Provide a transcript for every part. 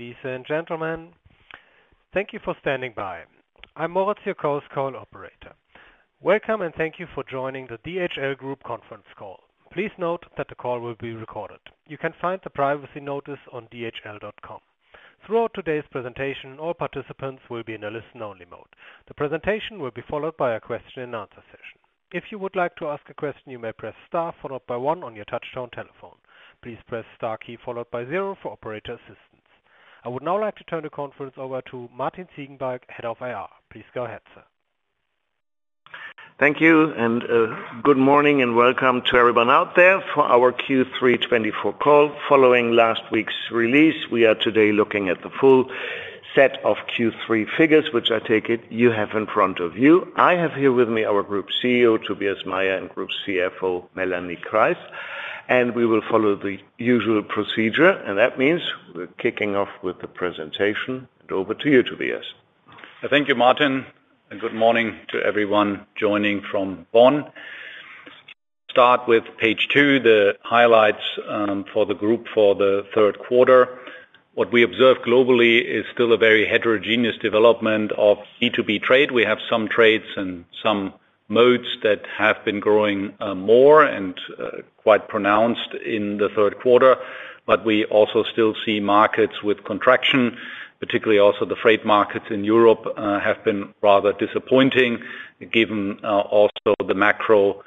Ladies and gentlemen, thank you for standing by. I'm Moritz, your Chorus Call operator. Welcome, and thank you for joining the DHL Group conference call. Please note that the call will be recorded. You can find the privacy notice on dhl.com. Throughout today's presentation, all participants will be in a listen-only mode. The presentation will be followed by a question-and-answer session. If you would like to ask a question, you may press Star followed by One on your touch-tone telephone. Please press Star key followed by Zero for operator assistance. I would now like to turn the conference over to Martin Ziegenbalg, Head of IR. Please go ahead, sir. Thank you, and good morning, and welcome to everyone out there for our Q3 2024 call. Following last week's release, we are today looking at the full set of Q3 figures, which I take it you have in front of you. I have here with me our Group CEO, Tobias Meyer, and Group CFO, Melanie Kreis. And we will follow the usual procedure, and that means we're kicking off with the presentation. Over to you, Tobias. Thank you, Martin, and good morning to everyone joining from Bonn. Start with page two, the highlights for the group for the third quarter. What we observe globally is still a very heterogeneous development of B2B trade. We have some trades and some modes that have been growing more and quite pronounced in the third quarter, but we also still see markets with contraction, particularly also the freight markets in Europe have been rather disappointing given also the macro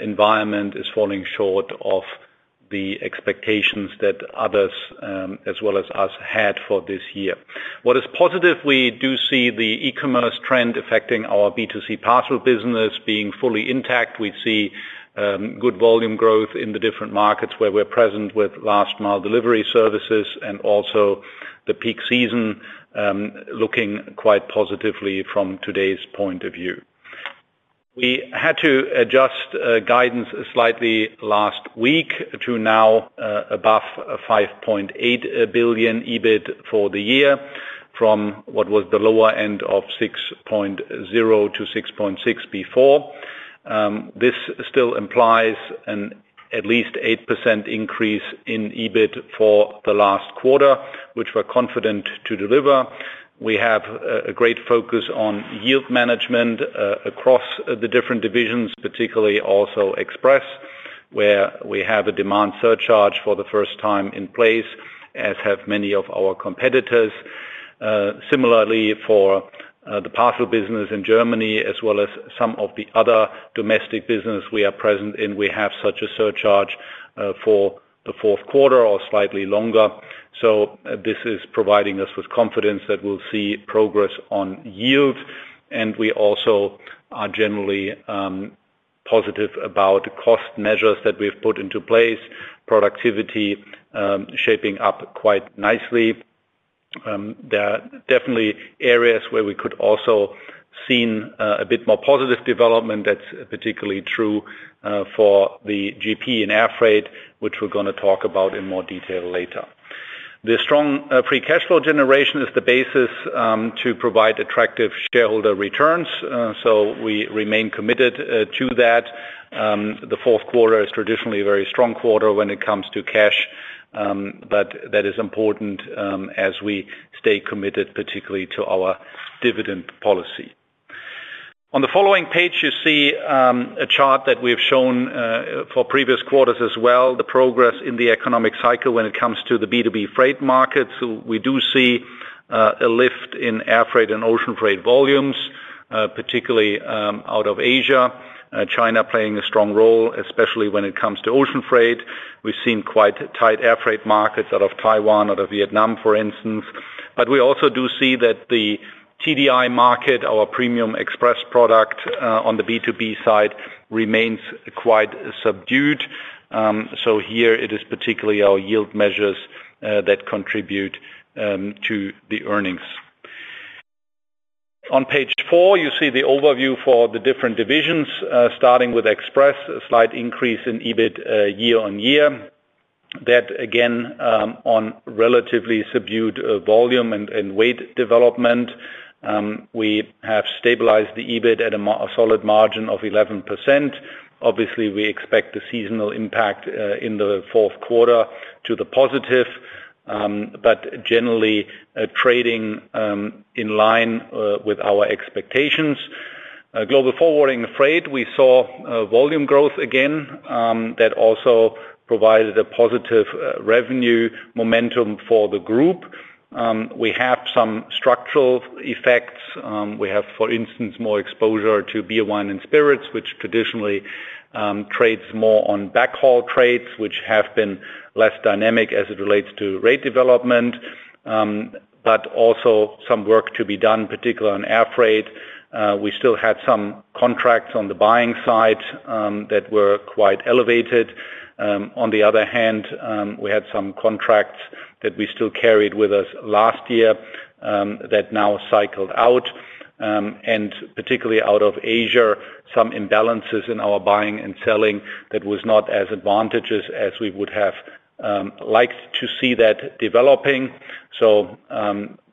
environment is falling short of the expectations that others, as well as us, had for this year. What is positive, we do see the eCommerce trend affecting our B2C parcel business being fully intact. We see good volume growth in the different markets where we're present with last-mile delivery services and also the peak season looking quite positively from today's point of view. We had to adjust guidance slightly last week to now above 5.8 billion EBIT for the year from what was the lower end of EUR 6.0-€6.6 billion before. This still implies an at least 8% increase in EBIT for the last quarter, which we're confident to deliver. We have a great focus on yield management across the different divisions, particularly also Express, where we have a Demand Surcharge for the first time in place, as have many of our competitors. Similarly, for the parcel business in Germany, as well as some of the other domestic business we are present in, we have such a surcharge for the fourth quarter or slightly longer. So this is providing us with confidence that we'll see progress on yield, and we also are generally positive about the cost measures that we've put into place. Productivity shaping up quite nicely. There are definitely areas where we could also see a bit more positive development. That's particularly true for the GP in air freight, which we're going to talk about in more detail later. The strong free cash flow generation is the basis to provide attractive shareholder returns, so we remain committed to that. The fourth quarter is traditionally a very strong quarter when it comes to cash, but that is important as we stay committed, particularly to our dividend policy. On the following page, you see a chart that we've shown for previous quarters as well, the progress in the economic cycle when it comes to the B2B freight markets. We do see a lift in air freight and ocean freight volumes, particularly out of Asia. China playing a strong role, especially when it comes to ocean freight. We've seen quite tight air freight markets out of Taiwan, out of Vietnam, for instance. But we also do see that the TDI market, our premium Express product on the B2B side, remains quite subdued. So here, it is particularly our yield measures that contribute to the earnings. On page four, you see the overview for the different divisions, starting with Express, a slight increase in EBIT year on year. That again, on relatively subdued volume and weight development, we have stabilized the EBIT at a solid margin of 11%. Obviously, we expect the seasonal impact in the fourth quarter to the positive, but generally trading in line with our expectations. Global Forwarding Freight, we saw volume growth again. That also provided a positive revenue momentum for the group. We have some structural effects. We have, for instance, more exposure to beer, wine, and spirits, which traditionally trades more on backhaul trades, which have been less dynamic as it relates to rate development, but also some work to be done, particularly on air freight. We still had some contracts on the buying side that were quite elevated. On the other hand, we had some contracts that we still carried with us last year that now cycled out, and particularly out of Asia, some imbalances in our buying and selling that was not as advantageous as we would have liked to see that developing, so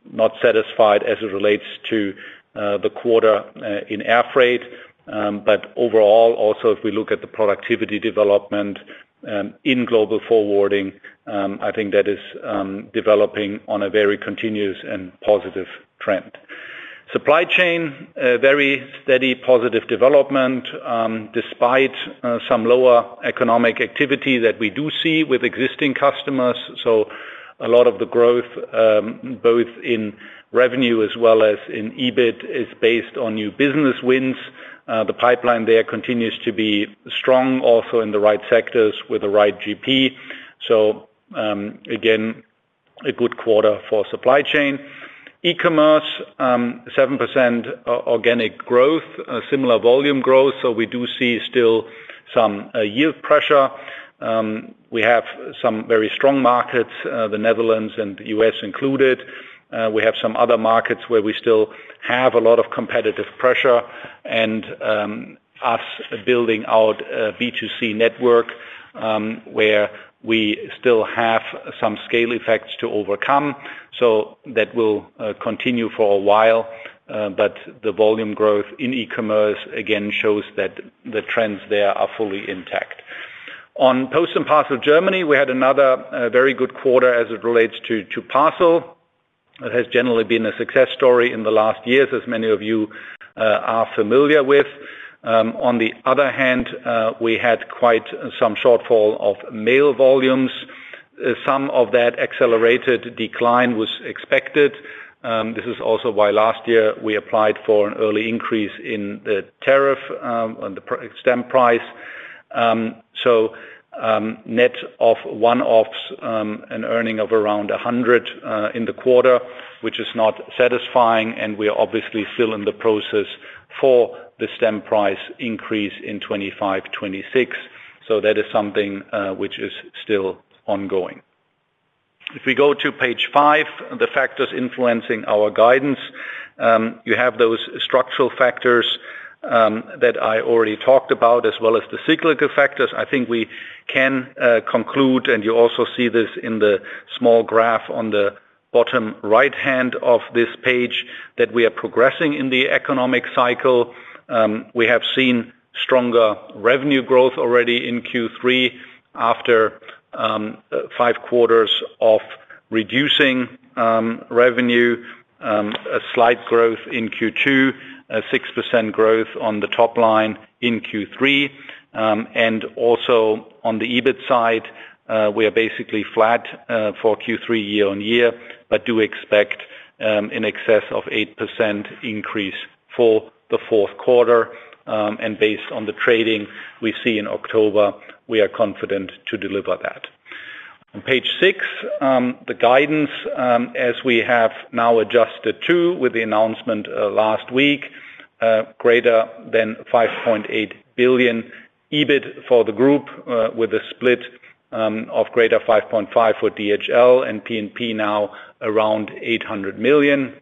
not satisfied as it relates to the quarter in air freight, but overall, also if we look at the productivity development in Global Forwarding, I think that is developing on a very continuous and positive trend. Supply Chain, very steady positive development despite some lower economic activity that we do see with existing customers. So a lot of the growth, both in revenue as well as in EBIT, is based on new business wins. The pipeline there continues to be strong, also in the right sectors with the right GP. So again, a good quarter for Supply Chain. eCommerce, 7% organic growth, similar volume growth, so we do see still some yield pressure. We have some very strong markets, the Netherlands and the US included. We have some other markets where we still have a lot of competitive pressure and us building out a B2C network where we still have some scale effects to overcome. So that will continue for a while, but the volume growth in eCommerce again shows that the trends there are fully intact. On Post & Parcel Germany, we had another very good quarter as it relates to parcel. It has generally been a success story in the last years, as many of you are familiar with. On the other hand, we had quite some shortfall of mail volumes. Some of that accelerated decline was expected. This is also why last year we applied for an early increase in the tariff on the stamp price. So net of one-offs and earnings of around 100 in the quarter, which is not satisfying, and we are obviously still in the process for the stamp price increase in 2025, 2026. So that is something which is still ongoing. If we go to page five, the factors influencing our guidance, you have those structural factors that I already talked about as well as the cyclical factors. I think we can conclude, and you also see this in the small graph on the bottom right hand of this page, that we are progressing in the economic cycle. We have seen stronger revenue growth already in Q3 after five quarters of reducing revenue, a slight growth in Q2, 6% growth on the top line in Q3, and also on the EBIT side, we are basically flat for Q3 year on year, but do expect in excess of 8% increase for the fourth quarter, and based on the trading we see in October, we are confident to deliver that. On page six, the guidance as we have now adjusted to with the announcement last week, greater than 5.8 billion EBIT for the group with a split of greater than 5.5 billion for DHL and P&P now around 800 million,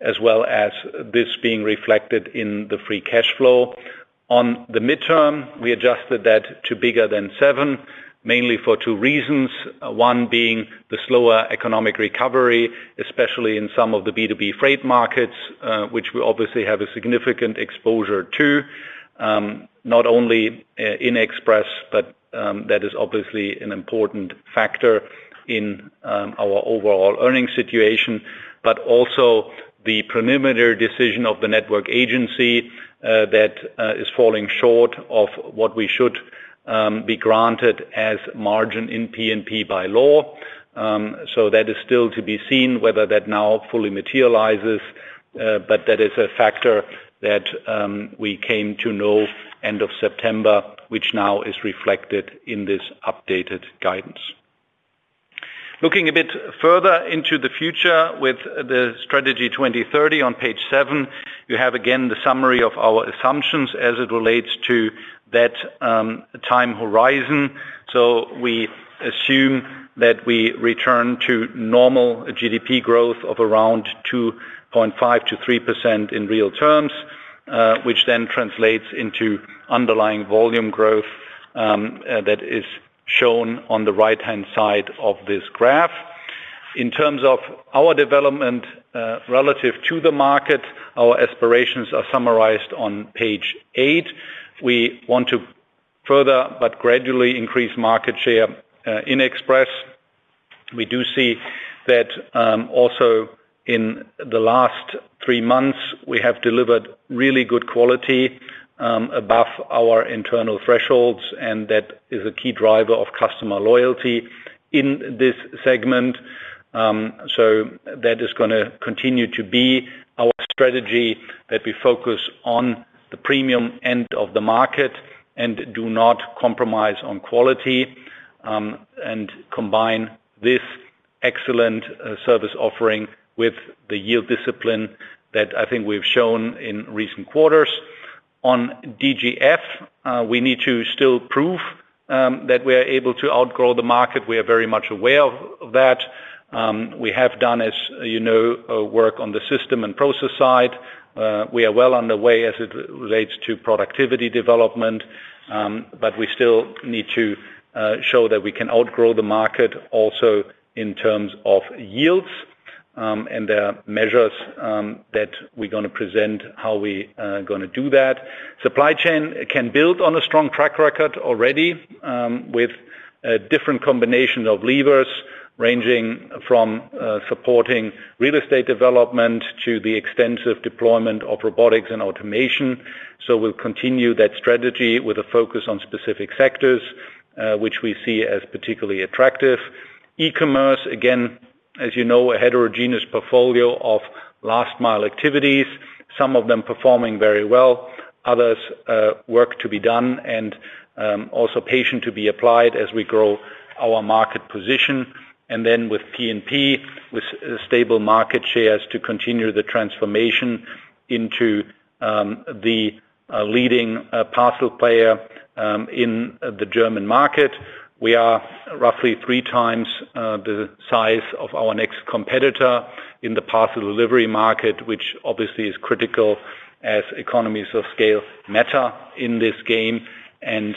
as well as this being reflected in the free cash flow. On the midterm, we adjusted that to bigger than seven, mainly for two reasons. One being the slower economic recovery, especially in some of the B2B freight markets, which we obviously have a significant exposure to, not only in Express, but that is obviously an important factor in our overall earnings situation, but also the preliminary decision of the Network Agency that is falling short of what we should be granted as margin in P&P by law. So that is still to be seen whether that now fully materializes, but that is a factor that we came to know end of September, which now is reflected in this updated guidance. Looking a bit further into the future with the Strategy 2030 on page seven, you have again the summary of our assumptions as it relates to that time horizon. So we assume that we return to normal GDP growth of around 2.5%-3% in real terms, which then translates into underlying volume growth that is shown on the right-hand side of this graph. In terms of our development relative to the market, our aspirations are summarized on page eight. We want to further but gradually increase market share in Express. We do see that also in the last three months, we have delivered really good quality above our internal thresholds, and that is a key driver of customer loyalty in this segment. So that is going to continue to be our strategy that we focus on the premium end of the market and do not compromise on quality and combine this excellent service offering with the yield discipline that I think we've shown in recent quarters. On DGF, we need to still prove that we are able to outgrow the market. We are very much aware of that. We have done, as you know, work on the system and process side. We are well on the way as it relates to productivity development, but we still need to show that we can outgrow the market also in terms of yields and the measures that we're going to present how we are going to do that. Supply Chain can build on a strong track record already with a different combination of levers ranging from supporting real estate development to the extensive deployment of robotics and automation. So we'll continue that strategy with a focus on specific sectors, which we see as particularly attractive. eCommerce, again, as you know, a heterogeneous portfolio of last-mile activities, some of them performing very well, other work to be done and also patience to be applied as we grow our market position. And then with P&P, with stable market shares to continue the transformation into the leading parcel player in the German market. We are roughly three times the size of our next competitor in the parcel delivery market, which obviously is critical as economies of scale matter in this game. And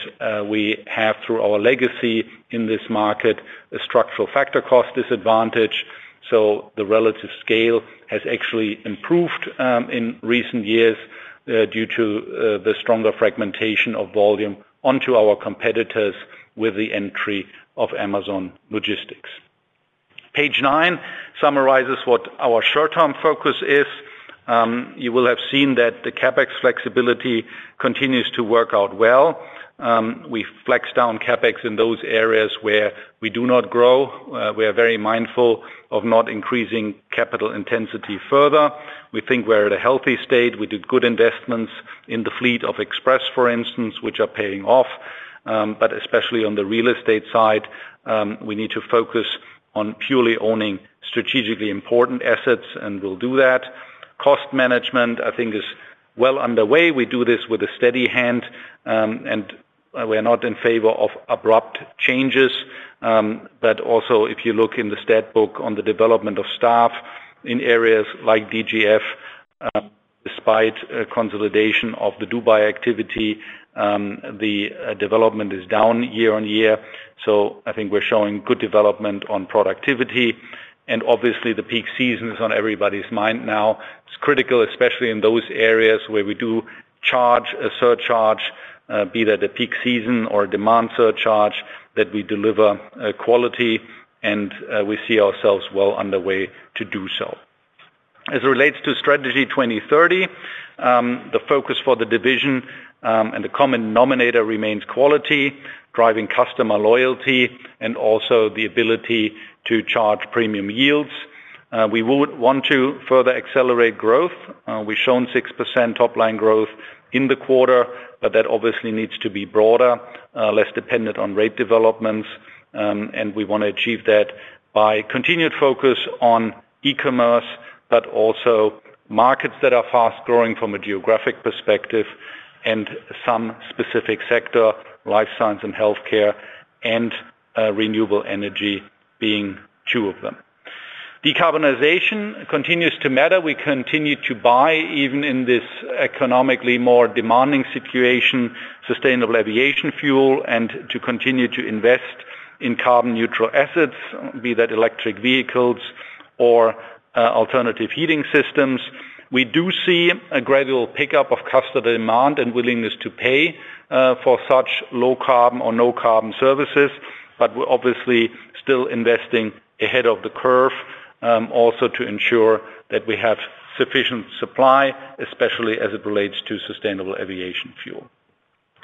we have, through our legacy in this market, a structural factor cost disadvantage. So the relative scale has actually improved in recent years due to the stronger fragmentation of volume onto our competitors with the entry of Amazon Logistics. Page nine summarizes what our short-term focus is. You will have seen that the CapEx flexibility continues to work out well. We flex down CapEx in those areas where we do not grow. We are very mindful of not increasing capital intensity further. We think we're at a healthy state. We did good investments in the fleet of Express, for instance, which are paying off. But especially on the real estate side, we need to focus on purely owning strategically important assets, and we'll do that. Cost management, I think, is well underway. We do this with a steady hand, and we're not in favor of abrupt changes. But also, if you look in the Statbook on the development of staff in areas like DGF, despite consolidation of the Dubai activity, the development is down year on year. So I think we're showing good development on productivity. And obviously, the peak season is on everybody's mind now. It's critical, especially in those areas where we do charge a surcharge, be that a peak season or a Demand Surcharge, that we deliver quality, and we see ourselves well underway to do so. As it relates to Strategy 2030, the focus for the division and the common denominator remains quality, driving customer loyalty, and also the ability to charge premium yields. We would want to further accelerate growth. We've shown 6% top line growth in the quarter, but that obviously needs to be broader, less dependent on rate developments. And we want to achieve that by continued focus on eCommerce, but also markets that are fast growing from a geographic perspective and some specific sector, Life Sciences & Healthcare and renewable energy being two of them. Decarbonization continues to matter. We continue to buy, even in this economically more demanding situation, sustainable aviation fuel and to continue to invest in carbon neutral assets, be that electric vehicles or alternative heating systems. We do see a gradual pickup of customer demand and willingness to pay for such low carbon or no carbon services, but we're obviously still investing ahead of the curve also to ensure that we have sufficient supply, especially as it relates to sustainable aviation fuel.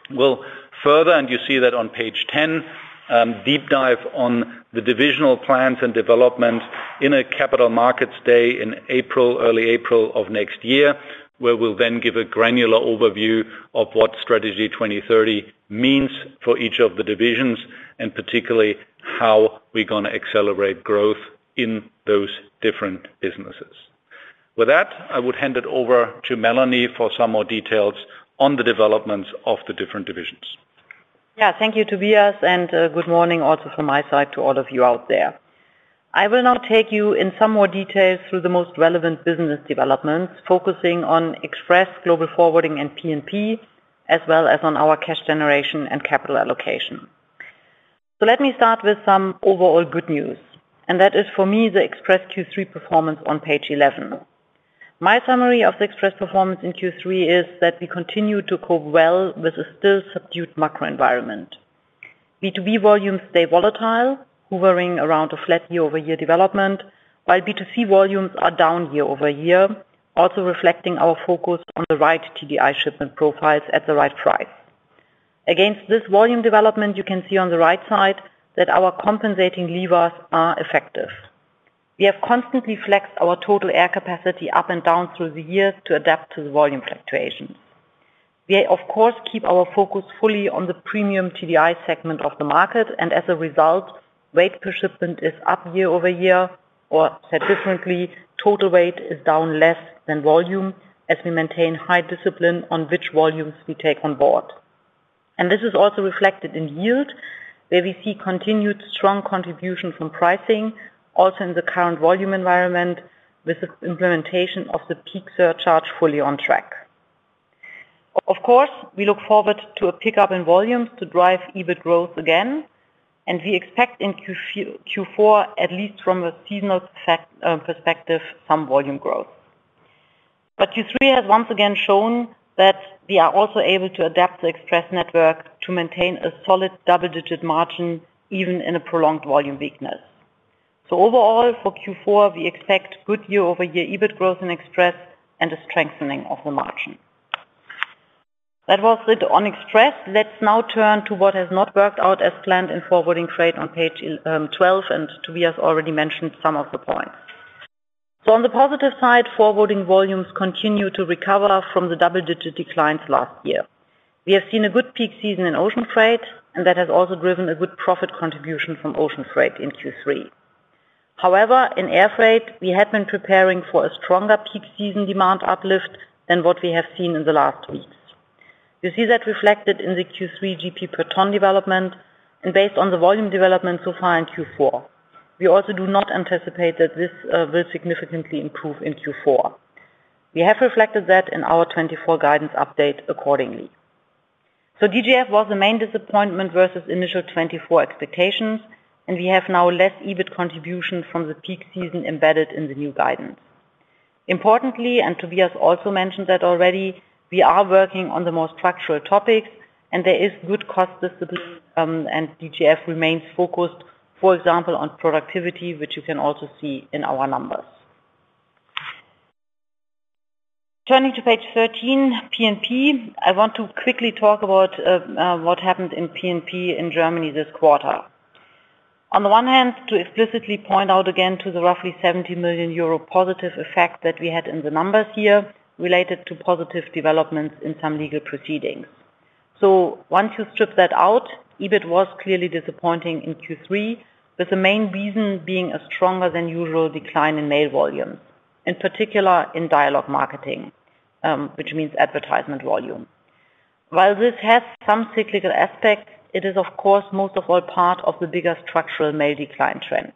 We'll further, and you see that on page 10, deep dive on the divisional plans and development in a Capital Markets Day in April, early April of next year, where we'll then give a granular overview of what strategy 2030 means for each of the divisions and particularly how we're going to accelerate growth in those different businesses. With that, I would hand it over to Melanie for some more details on the developments of the different divisions. Yeah, thank you, Tobias, and good morning also from my side to all of you out there. I will now take you in some more details through the most relevant business developments focusing on Express, Global Forwarding, and P&P, as well as on our cash generation and capital allocation. So let me start with some overall good news, and that is for me the Express Q3 performance on page 11. My summary of the Express performance in Q3 is that we continue to cope well with a still subdued macro environment. B2B volumes stay volatile, hovering around a flat year-over-year development, while B2C volumes are down year-over-year, also reflecting our focus on the right TDI shipment profiles at the right price. Against this volume development, you can see on the right side that our compensating levers are effective. We have constantly flexed our total air capacity up and down through the years to adapt to the volume fluctuations. We, of course, keep our focus fully on the premium TDI segment of the market, and as a result, weight per shipment is up year-over-year, or said differently, total weight is down less than volume as we maintain high discipline on which volumes we take on board. And this is also reflected in yield, where we see continued strong contribution from pricing, also in the current volume environment with the implementation of the peak surcharge fully on track. Of course, we look forward to a pickup in volumes to drive EBIT growth again, and we expect in Q4, at least from a seasonal perspective, some volume growth. But Q3 has once again shown that we are also able to adapt the Express network to maintain a solid double-digit margin even in a prolonged volume weakness. So overall, for Q4, we expect good year-over-year EBIT growth in Express and a strengthening of the margin. That was it on Express. Let's now turn to what has not worked out as planned in Forwarding Freight on page 12, and Tobias already mentioned some of the points. So on the positive side, forwarding volumes continue to recover from the double-digit declines last year. We have seen a good peak season in ocean freight, and that has also driven a good profit contribution from ocean freight in Q3. However, in air freight, we had been preparing for a stronger peak season demand uplift than what we have seen in the last weeks. You see that reflected in the Q3 GP per ton development and based on the volume development so far in Q4. We also do not anticipate that this will significantly improve in Q4. We have reflected that in our 2024 guidance update accordingly. So DGF was the main disappointment versus initial 2024 expectations, and we have now less EBIT contribution from the peak season embedded in the new guidance. Importantly, and Tobias also mentioned that already, we are working on the more structural topics, and there is good cost discipline, and DGF remains focused, for example, on productivity, which you can also see in our numbers. Turning to page 13, P&P, I want to quickly talk about what happened in P&P in Germany this quarter. On the one hand, to explicitly point out again to the roughly 70 million euro positive effect that we had in the numbers here related to positive developments in some legal proceedings. So once you strip that out, EBIT was clearly disappointing in Q3, with the main reason being a stronger than usual decline in mail volumes, in particular in dialogue marketing, which means advertisement volume. While this has some cyclical aspects, it is, of course, most of all part of the bigger structural mail decline trend.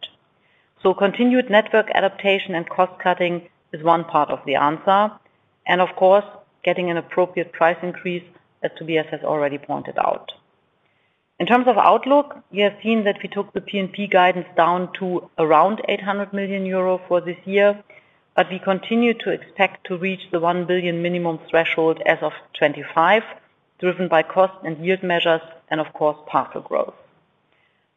So continued network adaptation and cost cutting is one part of the answer, and of course, getting an appropriate price increase, as Tobias has already pointed out. In terms of outlook, you have seen that we took the P&P guidance down to around 800 million euro for this year, but we continue to expect to reach the 1 billion minimum threshold as of 2025, driven by cost and yield measures and, of course, parcel growth.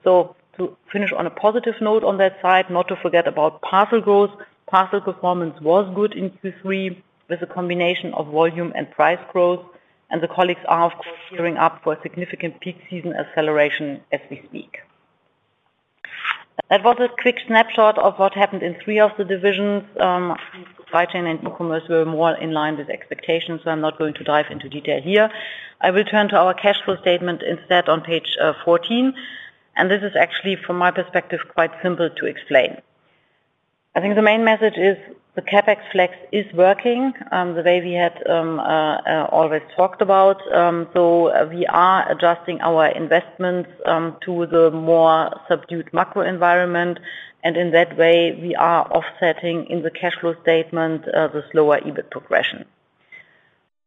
So to finish on a positive note on that side, not to forget about parcel growth, parcel performance was good in Q3 with a combination of volume and price growth, and the colleagues are, of course, gearing up for a significant peak season acceleration as we speak. That was a quick snapshot of what happened in three of the divisions. Supply Chain and eCommerce were more in line with expectations, so I'm not going to dive into detail here. I will turn to our cash flow statement instead on page 14, and this is actually, from my perspective, quite simple to explain. I think the main message is the CapEx flex is working the way we had always talked about. So we are adjusting our investments to the more subdued macro environment, and in that way, we are offsetting in the cash flow statement the slower EBIT progression.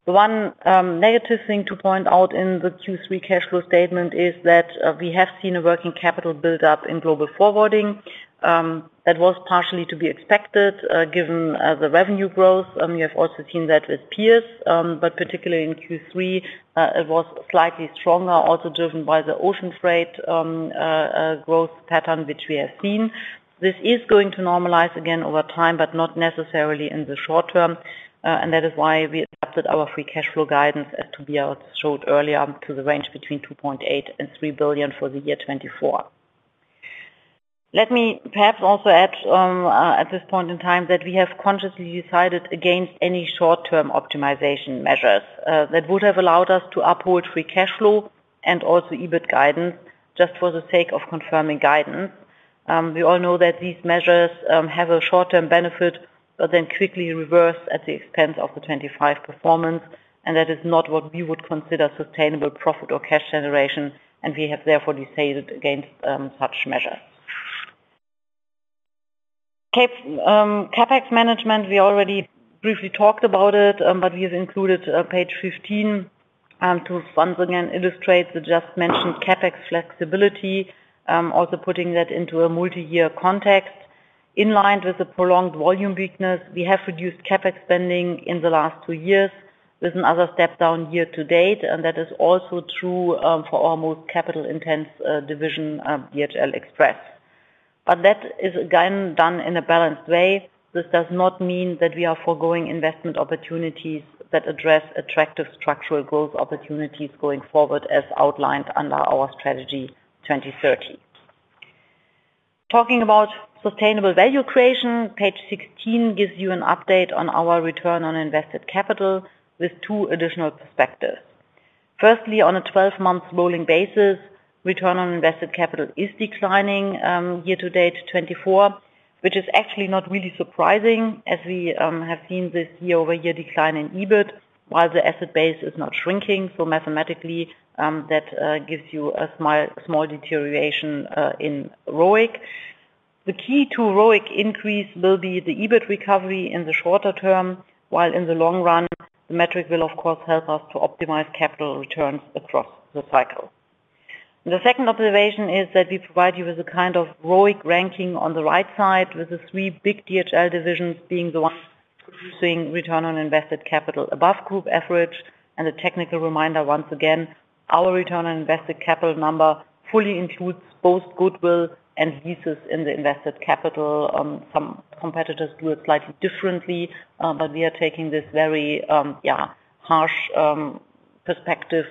The one negative thing to point out in the Q3 cash flow statement is that we have seen a working capital build-up in Global Forwarding. That was partially to be expected given the revenue growth. You have also seen that with peers, but particularly in Q3, it was slightly stronger, also driven by the ocean freight growth pattern, which we have seen. This is going to normalize again over time, but not necessarily in the short term, and that is why we adopted our free cash flow guidance, as Tobias showed earlier, to the range between 2.8 billion and 3 billion for the year 2024. Let me perhaps also add at this point in time that we have consciously decided against any short-term optimization measures that would have allowed us to uphold free cash flow and also EBIT guidance just for the sake of confirming guidance. We all know that these measures have a short-term benefit, but then quickly reverse at the expense of the 2025 performance, and that is not what we would consider sustainable profit or cash generation, and we have therefore decided against such measures. CapEx management, we already briefly talked about it, but we have included page 15 to once again illustrate the just mentioned CapEx flexibility, also putting that into a multi-year context. In line with the prolonged volume weakness, we have reduced CapEx spending in the last two years with another step down year to date, and that is also true for our most capital-intense division, DHL Express. But that is again done in a balanced way. This does not mean that we are forgoing investment opportunities that address attractive structural growth opportunities going forward, as outlined under our Strategy 2030. Talking about sustainable value creation, page 16 gives you an update on our Return on Invested Capital with two additional perspectives. Firstly, on a 12-month rolling basis, Return on Invested Capital is declining year to date 2024, which is actually not really surprising as we have seen this year-over-year decline in EBIT, while the asset base is not shrinking. So mathematically, that gives you a small deterioration in ROIC. The key to ROIC increase will be the EBIT recovery in the shorter term, while in the long run, the metric will, of course, help us to optimize capital returns across the cycle. The second observation is that we provide you with a kind of ROIC ranking on the right side, with the three big DHL divisions being the ones producing return on invested capital above group average, and a technical reminder once again, our return on invested capital number fully includes both goodwill and leases in the invested capital. Some competitors do it slightly differently, but we are taking this very harsh perspective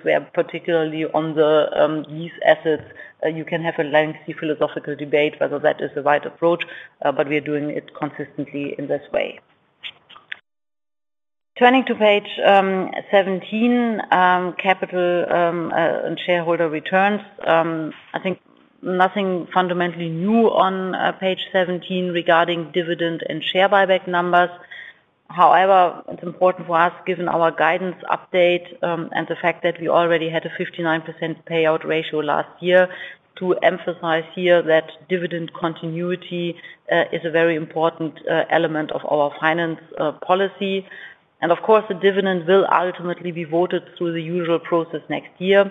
where particularly on the lease assets, you can have a lengthy philosophical debate whether that is the right approach, but we are doing it consistently in this way. Turning to page 17, capital and shareholder returns, I think nothing fundamentally new on page 17 regarding dividend and share buyback numbers. However, it's important for us, given our guidance update and the fact that we already had a 59% payout ratio last year, to emphasize here that dividend continuity is a very important element of our finance policy, and of course, the dividend will ultimately be voted through the usual process next year,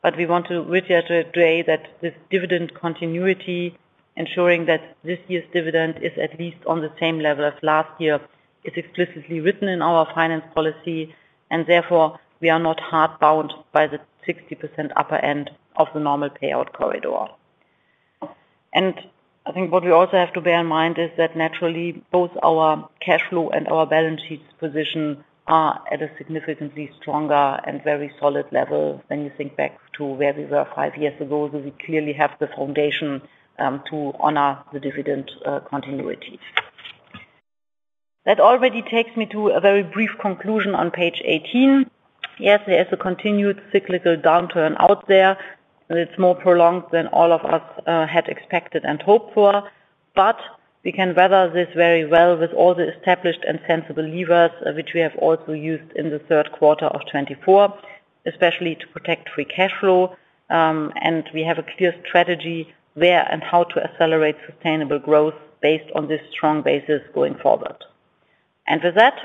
but we want to reiterate that this dividend continuity, ensuring that this year's dividend is at least on the same level as last year, is explicitly written in our finance policy, and therefore, we are not hard bound by the 60% upper end of the normal payout corridor. I think what we also have to bear in mind is that naturally, both our cash flow and our balance sheets position are at a significantly stronger and very solid level when you think back to where we were five years ago, so we clearly have the foundation to honor the dividend continuity. That already takes me to a very brief conclusion on page 18. Yes, there is a continued cyclical downturn out there, and it's more prolonged than all of us had expected and hoped for, but we can weather this very well with all the established and sensible levers, which we have also used in the third quarter of 2024, especially to protect free cash flow, and we have a clear strategy there and how to accelerate sustainable growth based on this strong basis going forward. With that,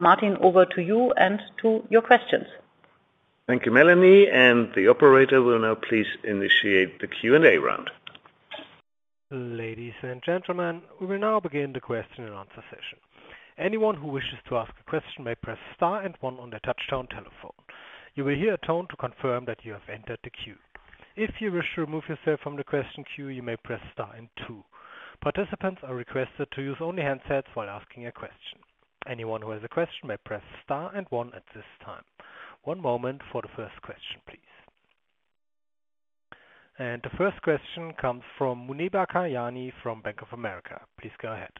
Martin, over to you and to your questions. Thank you, Melanie, and the operator will now please initiate the Q&A round. Ladies and gentlemen, we will now begin the question and answer session. Anyone who wishes to ask a question may press star and one on their touch-tone telephone. You will hear a tone to confirm that you have entered the queue. If you wish to remove yourself from the question queue, you may press star and two. Participants are requested to use only handsets while asking a question. Anyone who has a question may press star and one at this time. One moment for the first question, please, and the first question comes from Muneeba Kayani from Bank of America. Please go ahead.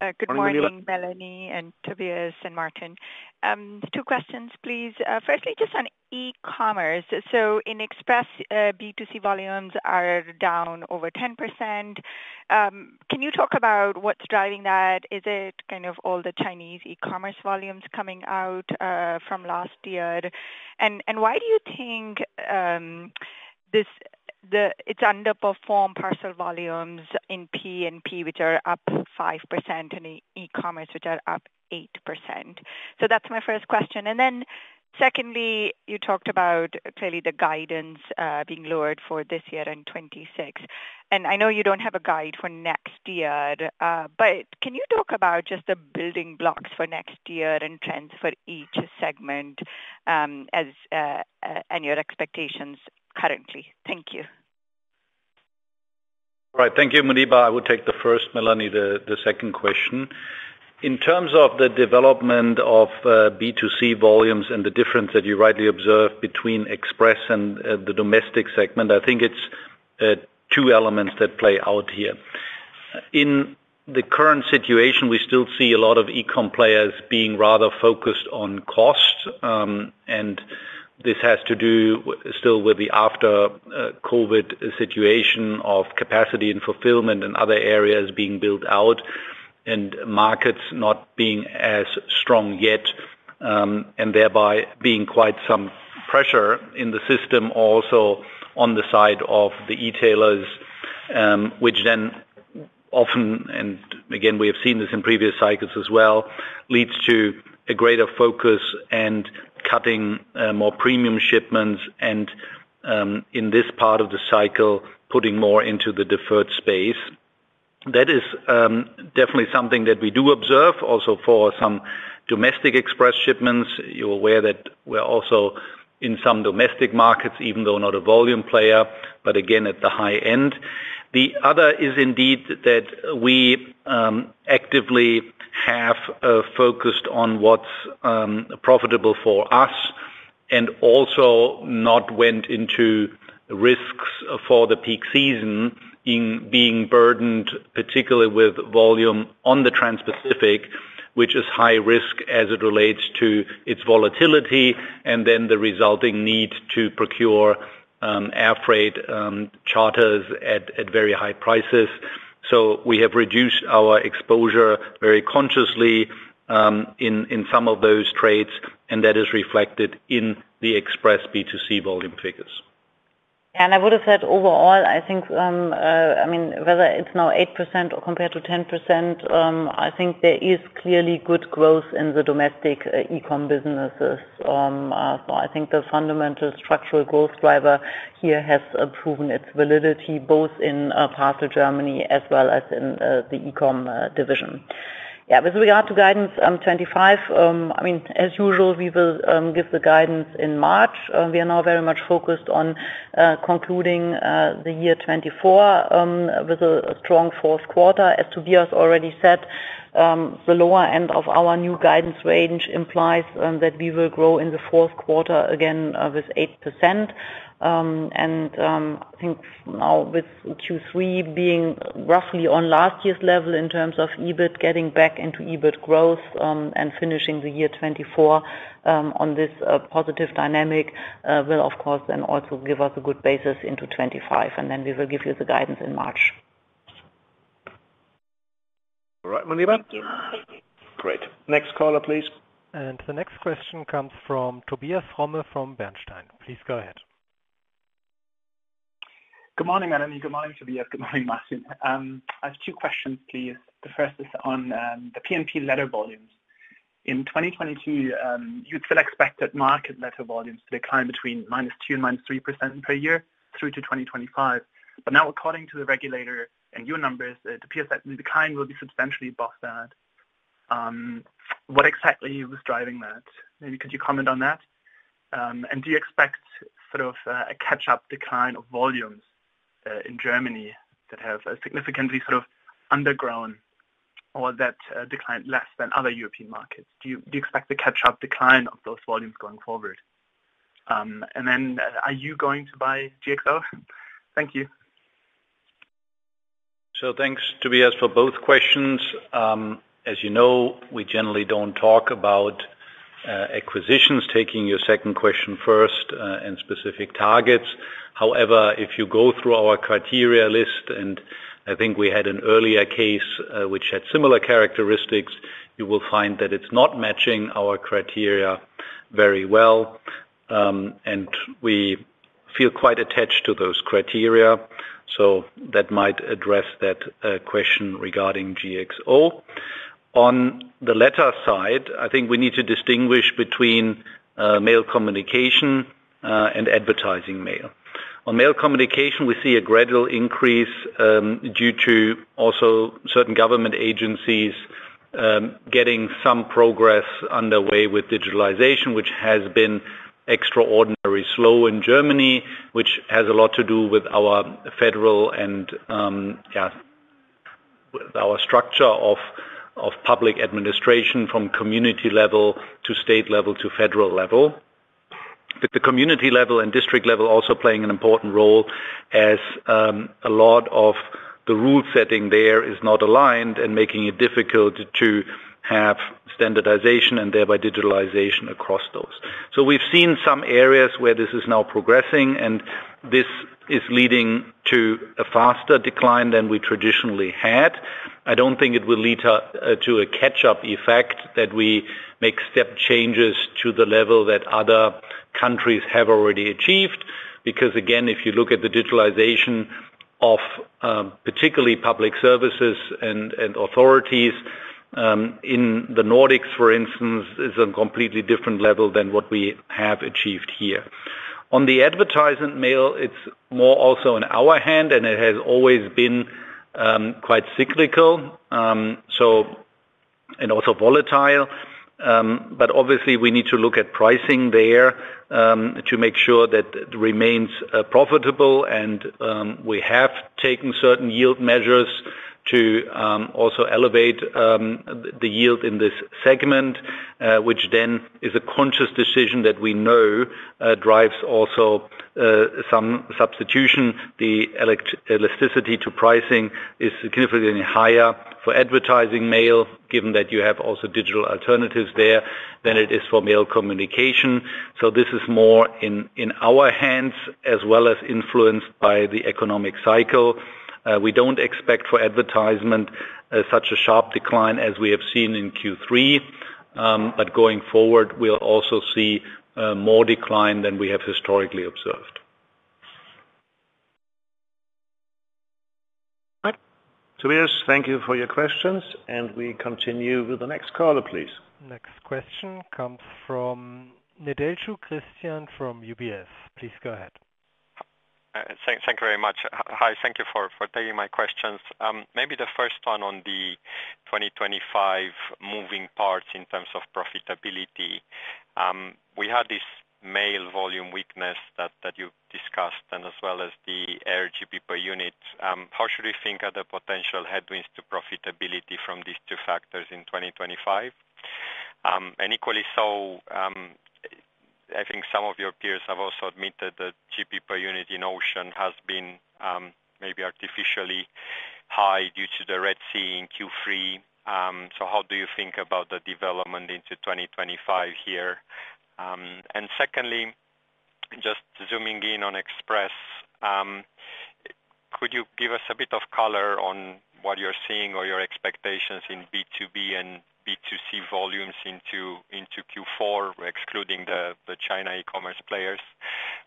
Good morning, Melanie and Tobias and Martin. Two questions, please. Firstly, just on eCommerce. So in Express, B2C volumes are down over 10%. Can you talk about what's driving that? Is it kind of all the Chinese eCommerce volumes coming out from last year? And why do you think it's underperformed parcel volumes in P&P, which are up 5%, and in eCommerce, which are up 8%? So that's my first question. And then secondly, you talked about clearly the guidance being lowered for this year and 2026. And I know you don't have a guide for next year, but can you talk about just the building blocks for next year and trends for each segment and your expectations currently? Thank you. All right. Thank you, Muneeba. I will take the first, Melanie, the second question. In terms of the development of B2C volumes and the difference that you rightly observed between Express and the domestic segment, I think it's two elements that play out here. In the current situation, we still see a lot of e-com players being rather focused on cost, and this has to do still with the after-COVID situation of capacity and fulfillment and other areas being built out and markets not being as strong yet, and thereby being quite some pressure in the system also on the side of the e-tailers, which then often, and again, we have seen this in previous cycles as well, leads to a greater focus and cutting more premium shipments, and in this part of the cycle, putting more into the deferred space. That is definitely something that we do observe also for some domestic Express shipments. You're aware that we're also in some domestic markets, even though not a volume player, but again, at the high end. The other is indeed that we actively have focused on what's profitable for us and also not went into risks for the peak season in being burdened, particularly with volume on the Trans-Pacific, which is high risk as it relates to its volatility and then the resulting need to procure air freight charters at very high prices. So we have reduced our exposure very consciously in some of those trades, and that is reflected in the Express B2C volume figures. Yeah, and I would have said overall, I think, I mean, whether it's now 8% or compared to 10%, I think there is clearly good growth in the domestic e-com businesses. So I think the fundamental structural growth driver here has proven its validity both in Parcel Germany as well as in the e-com division. Yeah, with regard to guidance 2025, I mean, as usual, we will give the guidance in March. We are now very much focused on concluding the year 2024 with a strong fourth quarter. As Tobias already said, the lower end of our new guidance range implies that we will grow in the fourth quarter again with 8%. And I think now with Q3 being roughly on last year's level in terms of EBIT, getting back into EBIT growth and finishing the year 2024 on this positive dynamic will, of course, then also give us a good basis into 2025, and then we will give you the guidance in March. All right, Muneeba? Thank you. Great. Next caller, please. And the next question comes from Tobias Fromme from Bernstein. Please go ahead. Good morning, Melanie. Good morning, Tobias. Good morning, Martin. I have two questions, please. The first is on the P&P letter volumes. In 2022, you still expected market letter volumes to decline between -2% and -3% per year through to 2025, but now, according to the regulator and your numbers, it appears that the decline will be substantially above that. What exactly was driving that? Maybe could you comment on that? And do you expect sort of a catch-up decline of volumes in Germany that have significantly sort of undergrown or that declined less than other European markets? Do you expect the catch-up decline of those volumes going forward? And then are you going to buy GXO? Thank you. So thanks, Tobias, for both questions. As you know, we generally don't talk about acquisitions, taking your second question first, and specific targets. However, if you go through our criteria list, and I think we had an earlier case which had similar characteristics, you will find that it's not matching our criteria very well, and we feel quite attached to those criteria. So that might address that question regarding GXO. On the letter side, I think we need to distinguish between mail communication and advertising mail. On mail communication, we see a gradual increase due to also certain government agencies getting some progress underway with digitalization, which has been extraordinarily slow in Germany, which has a lot to do with our federal and, yeah, with our structure of public administration from community level to state level to federal level. But the community level and district level also playing an important role as a lot of the rule setting there is not aligned and making it difficult to have standardization and thereby digitalization across those. So we've seen some areas where this is now progressing, and this is leading to a faster decline than we traditionally had. I don't think it will lead to a catch-up effect that we make step changes to the level that other countries have already achieved because, again, if you look at the digitalization of particularly public services and authorities in the Nordics, for instance, it's a completely different level than what we have achieved here. On the advertising mail, it's more also in our hands, and it has always been quite cyclical and also volatile, but obviously, we need to look at pricing there to make sure that it remains profitable, and we have taken certain yield measures to also elevate the yield in this segment, which then is a conscious decision that we know drives also some substitution. The elasticity to pricing is significantly higher for advertising mail, given that you have also digital alternatives there than it is for mail communication. So this is more in our hands as well as influenced by the economic cycle. We don't expect for advertising such a sharp decline as we have seen in Q3, but going forward, we'll also see more decline than we have historically observed. All right. Tobias, thank you for your questions, and we continue with the next caller, please. Next question comes from Cristian Nedelcu from UBS. Please go ahead. Thank you very much. Hi, thank you for taking my questions. Maybe the first one on the 2025 moving parts in terms of profitability. We had this mail volume weakness that you discussed and as well as the air GP per unit. How should we think of the potential headwinds to profitability from these two factors in 2025? And equally so, I think some of your peers have also admitted that GP per unit in Ocean has been maybe artificially high due to the Red Sea in Q3. So how do you think about the development into 2025 here? And secondly, just zooming in on Express, could you give us a bit of color on what you're seeing or your expectations in B2B and B2C volumes into Q4, excluding the China eCommerce players?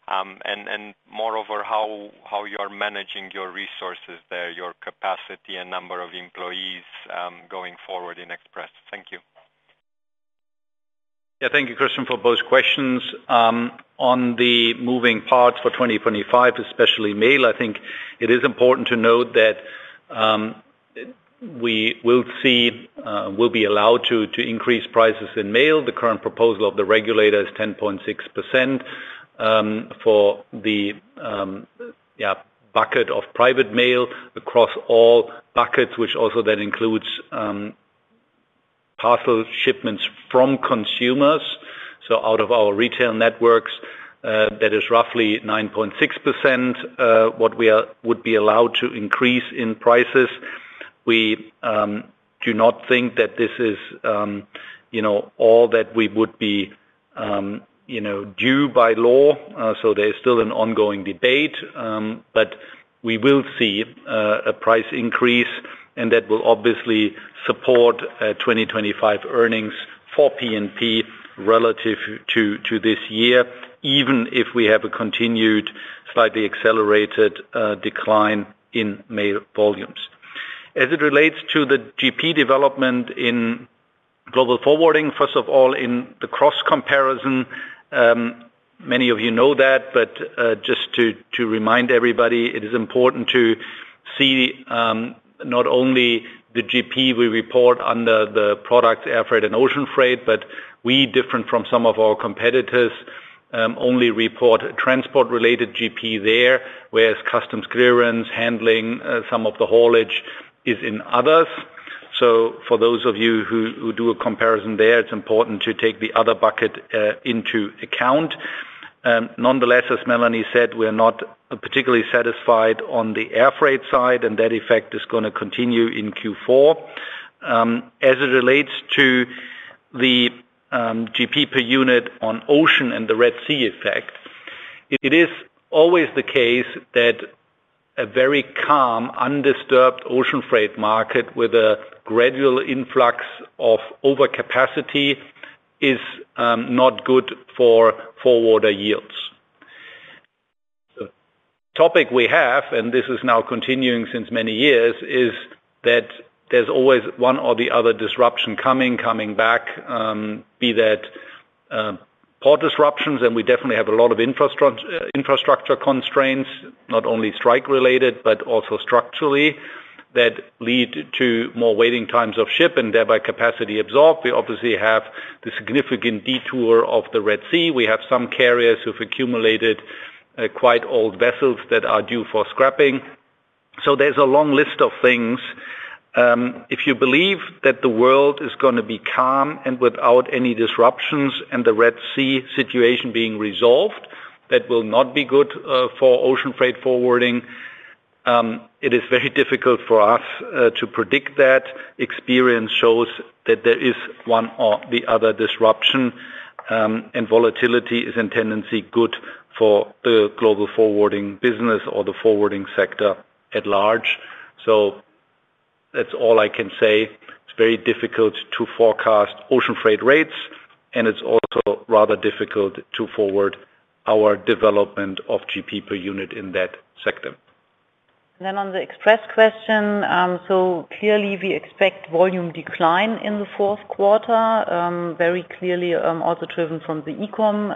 And moreover, how you're managing your resources there, your capacity and number of employees going forward in Express? Thank you. Yeah, thank you, Cristian, for both questions. On the moving parts for 2025, especially mail, I think it is important to note that we will be allowed to increase prices in mail. The current proposal of the regulator is 10.6% for the bucket of private mail across all buckets, which also then includes parcel shipments from consumers, so out of our retail networks. That is roughly 9.6% what we would be allowed to increase in prices. We do not think that this is all that we would be due by law, so there is still an ongoing debate, but we will see a price increase, and that will obviously support 2025 earnings for P&P relative to this year, even if we have a continued slightly accelerated decline in mail volumes. As it relates to the GP development in Global Forwarding, first of all, in the cross comparison, many of you know that, but just to remind everybody, it is important to see not only the GP we report under the product air freight and ocean freight, but we, different from some of our competitors, only report transport-related GP there, whereas customs clearance, handling, some of the haulage is in others. So for those of you who do a comparison there, it's important to take the other bucket into account. Nonetheless, as Melanie said, we're not particularly satisfied on the air freight side, and that effect is going to continue in Q4. As it relates to the GP per unit on Ocean and the Red Sea effect, it is always the case that a very calm, undisturbed Ocean freight market with a gradual influx of overcapacity is not good for forwarder yields. The topic we have, and this is now continuing since many years, is that there's always one or the other disruption coming, coming back, be that port disruptions, and we definitely have a lot of infrastructure constraints, not only strike-related, but also structurally, that lead to more waiting times of ship and thereby capacity absorbed. We obviously have the significant detour of the Red Sea. We have some carriers who've accumulated quite old vessels that are due for scrapping. So there's a long list of things. If you believe that the world is going to be calm and without any disruptions and the Red Sea situation being resolved, that will not be good for ocean freight forwarding. It is very difficult for us to predict that. Experience shows that there is one or the other disruption, and volatility is inherently good for the Global Forwarding business or the forwarding sector at large. So that's all I can say. It's very difficult to forecast ocean freight rates, and it's also rather difficult to forecast our development of GP per unit in that sector. And then on the Express question, so clearly we expect volume decline in the fourth quarter, very clearly also driven by the e-com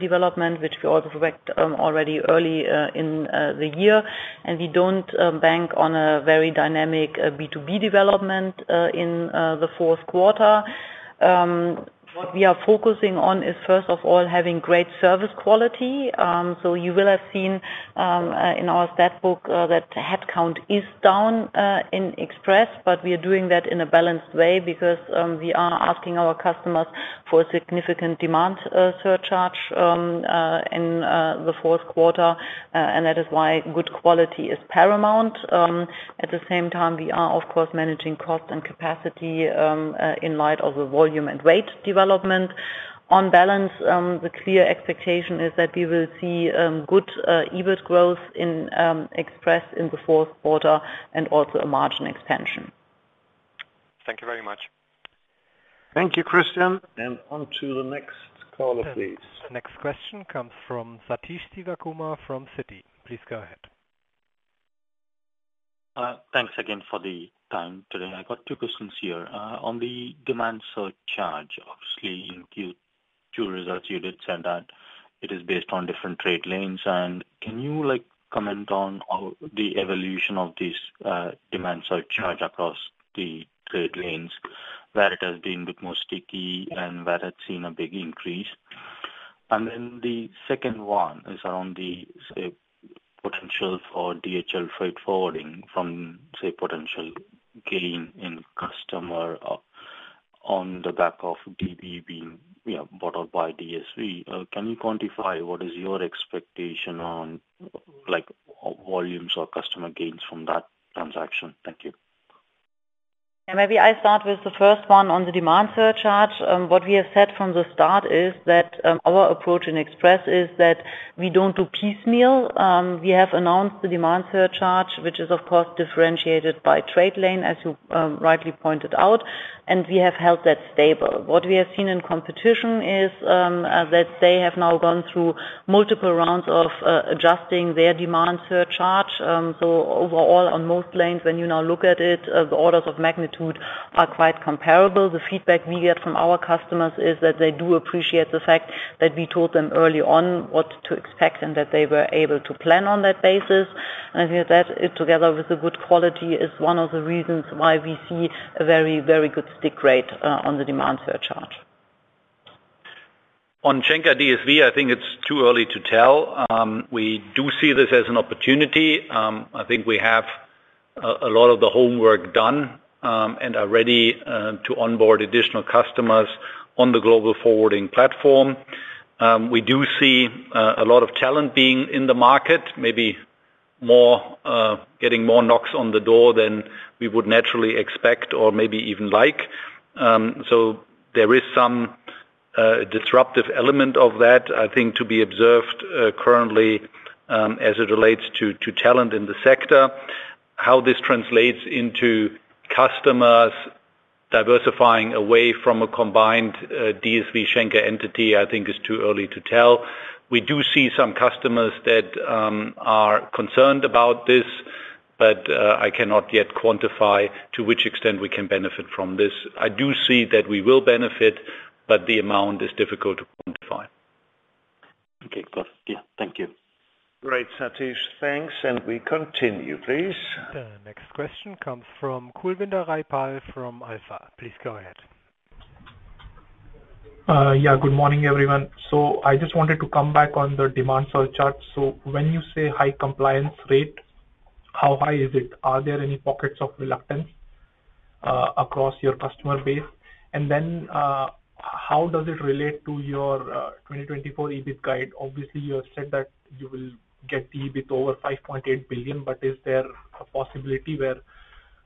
development, which we also projected already early in the year, and we don't bank on a very dynamic B2B development in the fourth quarter. What we are focusing on is, first of all, having great service quality. So you will have seen in our Statbook that headcount is down in Express, but we are doing that in a balanced way because we are asking our customers for a significant Demand Surcharge in the fourth quarter, and that is why good quality is paramount. At the same time, we are, of course, managing cost and capacity in light of the volume and rate development. On balance, the clear expectation is that we will see good EBIT growth in Express in the fourth quarter and also a margin expansion. Thank you very much. Thank you, Cristian. And on to the next caller, please. Next question comes from Satish Sivakumar from Citi. Please go ahead. Thanks again for the time today. I got two questions here. On the Demand Surcharge, obviously, in Q2 results, you did send out. It is based on different trade lanes, and can you comment on the evolution of this Demand Surcharge across the trade lanes, where it has been the most sticky and where it's seen a big increase? Then the second one is around the potential for DHL freight forwarding from, say, potential gain in customer on the back of DB being bought up by DSV. Can you quantify what is your expectation on volumes or customer gains from that transaction? Thank you. Yeah, maybe I start with the first one on the Demand Surcharge. What we have said from the start is that our approach in Express is that we don't do piecemeal. We have announced the Demand Surcharge, which is, of course, differentiated by trade lane, as you rightly pointed out, and we have held that stable. What we have seen in competition is that they have now gone through multiple rounds of adjusting their Demand Surcharge. So overall, on most lanes, when you now look at it, the orders of magnitude are quite comparable. The feedback we get from our customers is that they do appreciate the fact that we told them early on what to expect and that they were able to plan on that basis. And I think that together with the good quality is one of the reasons why we see a very, very good stick rate on the Demand Surcharge. On Schenker DSV, I think it's too early to tell. We do see this as an opportunity. I think we have a lot of the homework done and are ready to onboard additional customers on the Global Forwarding platform. We do see a lot of talent being in the market, maybe getting more knocks on the door than we would naturally expect or maybe even like. So there is some disruptive element of that, I think, to be observed currently as it relates to talent in the sector. How this translates into customers diversifying away from a combined DSV-Schenker entity, I think, is too early to tell. We do see some customers that are concerned about this, but I cannot yet quantify to which extent we can benefit from this. I do see that we will benefit, but the amount is difficult to quantify. Okay, good. Yeah, thank you. Great, Satish. Thanks, and we continue, please. The next question comes from Kulwinder Rajpal from Alpha. Please go ahead. Yeah, good morning, everyone. So I just wanted to come back on the Demand Surcharge. So when you say high compliance rate, how high is it? Are there any pockets of reluctance across your customer base? And then how does it relate to your 2024 EBIT guide? Obviously, you have said that you will get EBIT over 5.8 billion, but is there a possibility where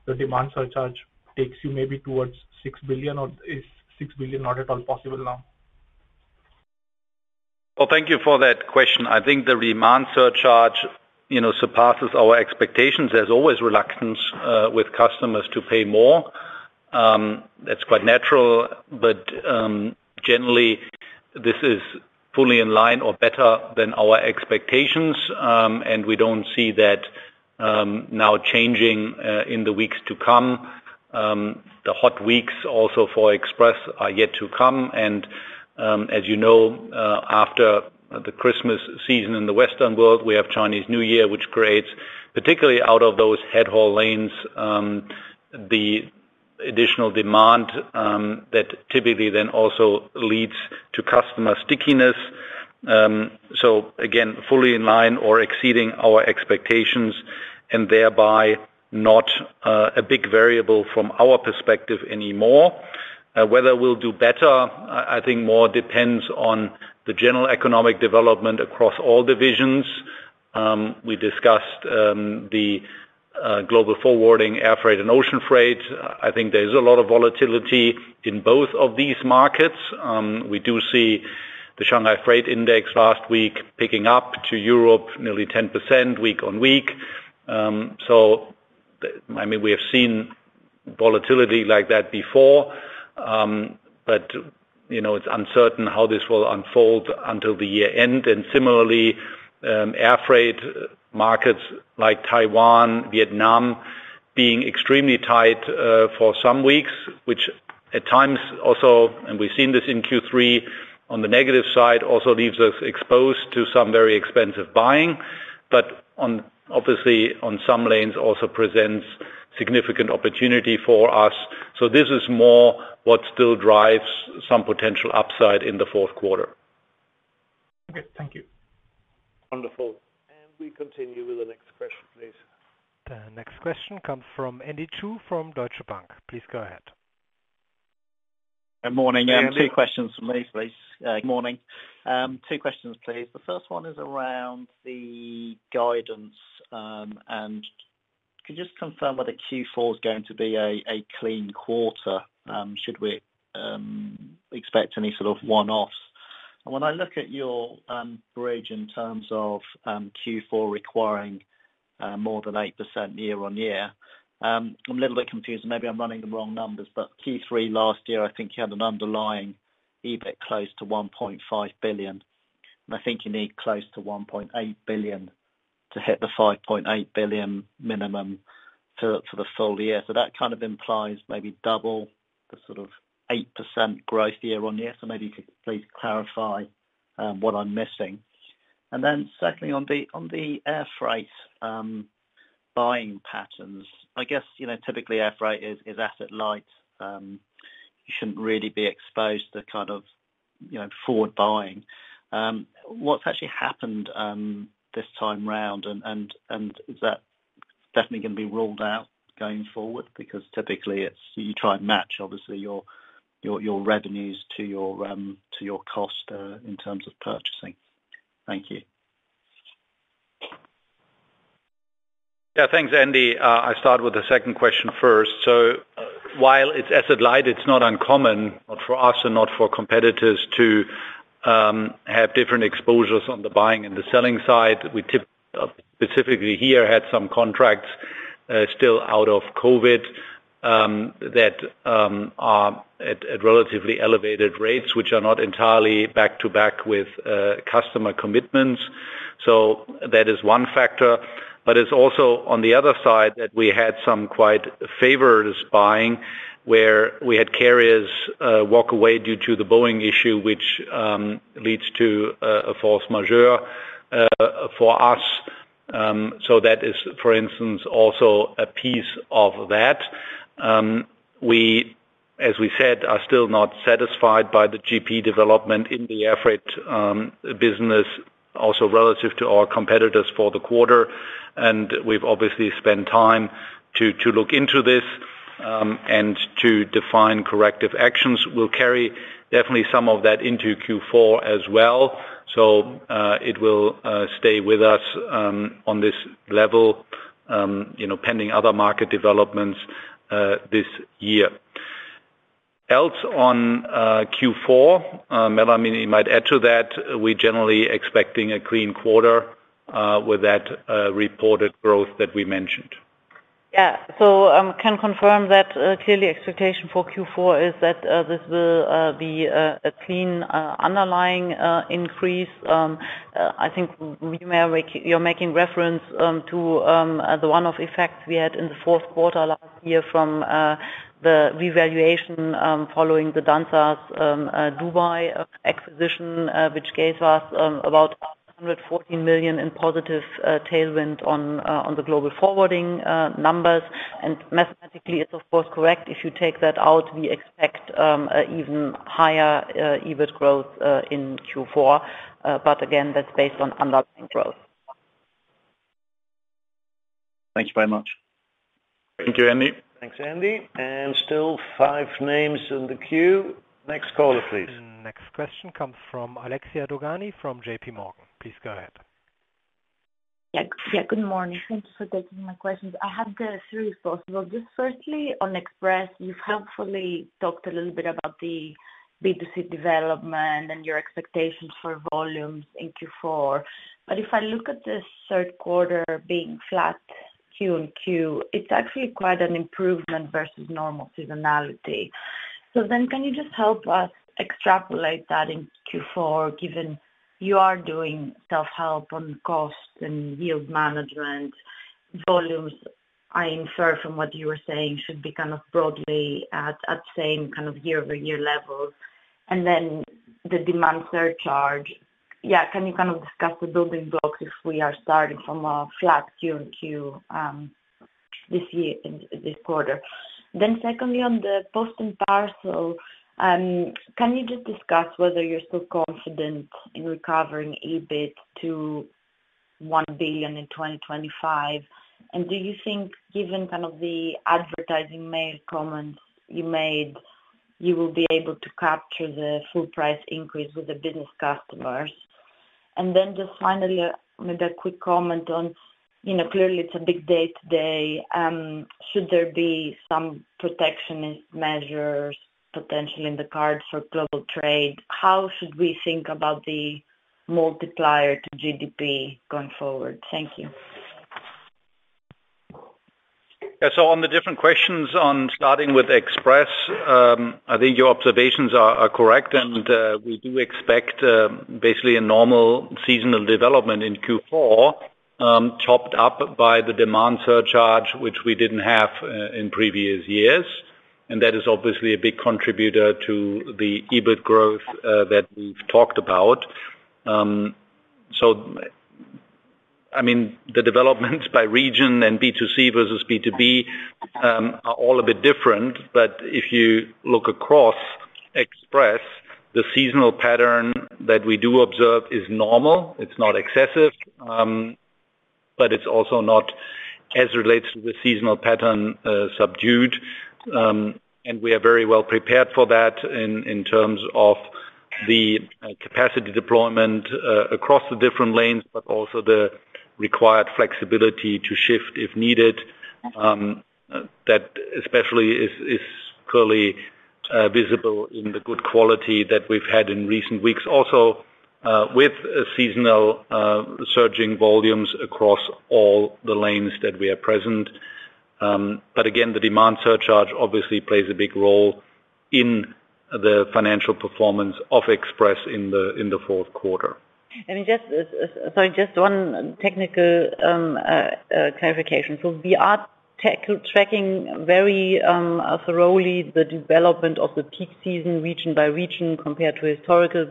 the Demand Surcharge takes you maybe towards 6 billion, or is 6 billion not at all possible now? Well, thank you for that question. I think the Demand Surcharge surpasses our expectations. There's always reluctance with customers to pay more. That's quite natural, but generally, this is fully in line or better than our expectations, and we don't see that now changing in the weeks to come. The hot weeks also for Express are yet to come. And as you know, after the Christmas season in the Western world, we have Chinese New Year, which creates, particularly out of those headhaul lanes, the additional demand that typically then also leads to customer stickiness. So again, fully in line or exceeding our expectations and thereby not a big variable from our perspective anymore. Whether we'll do better, I think, more depends on the general economic development across all divisions. We discussed the Global Forwarding, air freight, and ocean freight. I think there's a lot of volatility in both of these markets. We do see the Shanghai Freight Index last week picking up to Europe nearly 10% week on week. So I mean, we have seen volatility like that before, but it's uncertain how this will unfold until the year end. And similarly, air freight markets like Taiwan, Vietnam, being extremely tight for some weeks, which at times also, and we've seen this in Q3, on the negative side also leaves us exposed to some very expensive buying, but obviously, on some lanes, also presents significant opportunity for us. So this is more what still drives some potential upside in the fourth quarter. Okay, thank you. Wonderful. And we continue with the next question, please. The next question comes from Andy Chu from Deutsche Bank. Please go ahead. Good morning. Two questions for me, please. Good morning. Two questions, please. The first one is around the guidance, and could you just confirm whether Q4 is going to be a clean quarter? Should we expect any sort of one-offs? And when I look at your bridge in terms of Q4 requiring more than 8% year on year, I'm a little bit confused. Maybe I'm running the wrong numbers, but Q3 last year, I think you had an underlying EBIT close to 1.5 billion. And I think you need close to 1.8 billion to hit the 5.8 billion minimum for the full year. So that kind of implies maybe double the sort of 8% growth year on year. So maybe you could please clarify what I'm missing. And then secondly, on the air freight buying patterns, I guess typically air freight is asset light. You shouldn't really be exposed to kind of forward buying. What's actually happened this time around, and is that definitely going to be ruled out going forward? Because typically, you try and match, obviously, your revenues to your cost in terms of purchasing. Thank you. Yeah, thanks, Andy. I'll start with the second question first. So while it's asset light, it's not uncommon, not for us and not for competitors, to have different exposures on the buying and the selling side. We typically, specifically here, had some contracts still out of COVID that are at relatively elevated rates, which are not entirely back-to-back with customer commitments. So that is one factor. But it's also on the other side that we had some quite favorable buying where we had carriers walk away due to the Boeing issue, which leads to a force majeure for us. So that is, for instance, also a piece of that. We, as we said, are still not satisfied by the GP development in the air freight business, also relative to our competitors for the quarter. And we've obviously spent time to look into this and to define corrective actions. We'll carry definitely some of that into Q4 as well. So it will stay with us on this level pending other market developments this year. Else on Q4, Melanie, you might add to that. We're generally expecting a clean quarter with that reported growth that we mentioned. Yeah. So can confirm that clearly expectation for Q4 is that this will be a clean underlying increase. I think you're making reference to the one-off effects we had in the fourth quarter last year from the revaluation following the Danzas Dubai acquisition, which gave us about 114 million in positive tailwind on the Global Forwarding numbers. And mathematically, it's of course correct. If you take that out, we expect even higher EBIT growth in Q4. But again, that's based on underlying growth. Thank you very much. Thank you, Andy. Thanks, Andy. And still five names in the queue. Next caller, please. Next question comes from Alexia Dogani from JP Morgan. Please go ahead. Yeah, good morning. Thank you for taking my questions. I have three thoughts. Well, just firstly, on Express, you've helpfully talked a little bit about the B2C development and your expectations for volumes in Q4. But if I look at the third quarter being flat Q and Q, it's actually quite an improvement versus normal seasonality. So then can you just help us extrapolate that in Q4, given you are doing self-help on cost and yield management? Volumes, I infer from what you were saying, should be kind of broadly at same kind of year-over-year level. And then the Demand Surcharge, yeah, can you kind of discuss the building blocks if we are starting from a flat Q and Q this quarter? Then secondly, on the post and parcel, can you just discuss whether you're still confident in recovering EBIT to 1 billion in 2025? And do you think, given kind of the advertising mail comments you made, you will be able to capture the full price increase with the business customers? And then just finally, maybe a quick comment on clearly, it's a big day today. Should there be some protectionist measures potentially in the cards for global trade? How should we think about the multiplier to GDP going forward? Thank you. Yeah. So on the different questions, starting with Express, I think your observations are correct, and we do expect basically a normal seasonal development in Q4 topped up by the Demand Surcharge, which we didn't have in previous years. And that is obviously a big contributor to the EBIT growth that we've talked about. So I mean, the developments by region and B2C versus B2B are all a bit different. But if you look across Express, the seasonal pattern that we do observe is normal. It's not excessive, but it's also not, as it relates to the seasonal pattern, subdued. And we are very well prepared for that in terms of the capacity deployment across the different lanes, but also the required flexibility to shift if needed. That especially is clearly visible in the good quality that we've had in recent weeks, also with seasonal surging volumes across all the lanes that we are present. But again, the Demand Surcharge obviously plays a big role in the financial performance of Express in the fourth quarter. And just sorry, just one technical clarification. So we are tracking very thoroughly the development of the peak season region by region compared to historical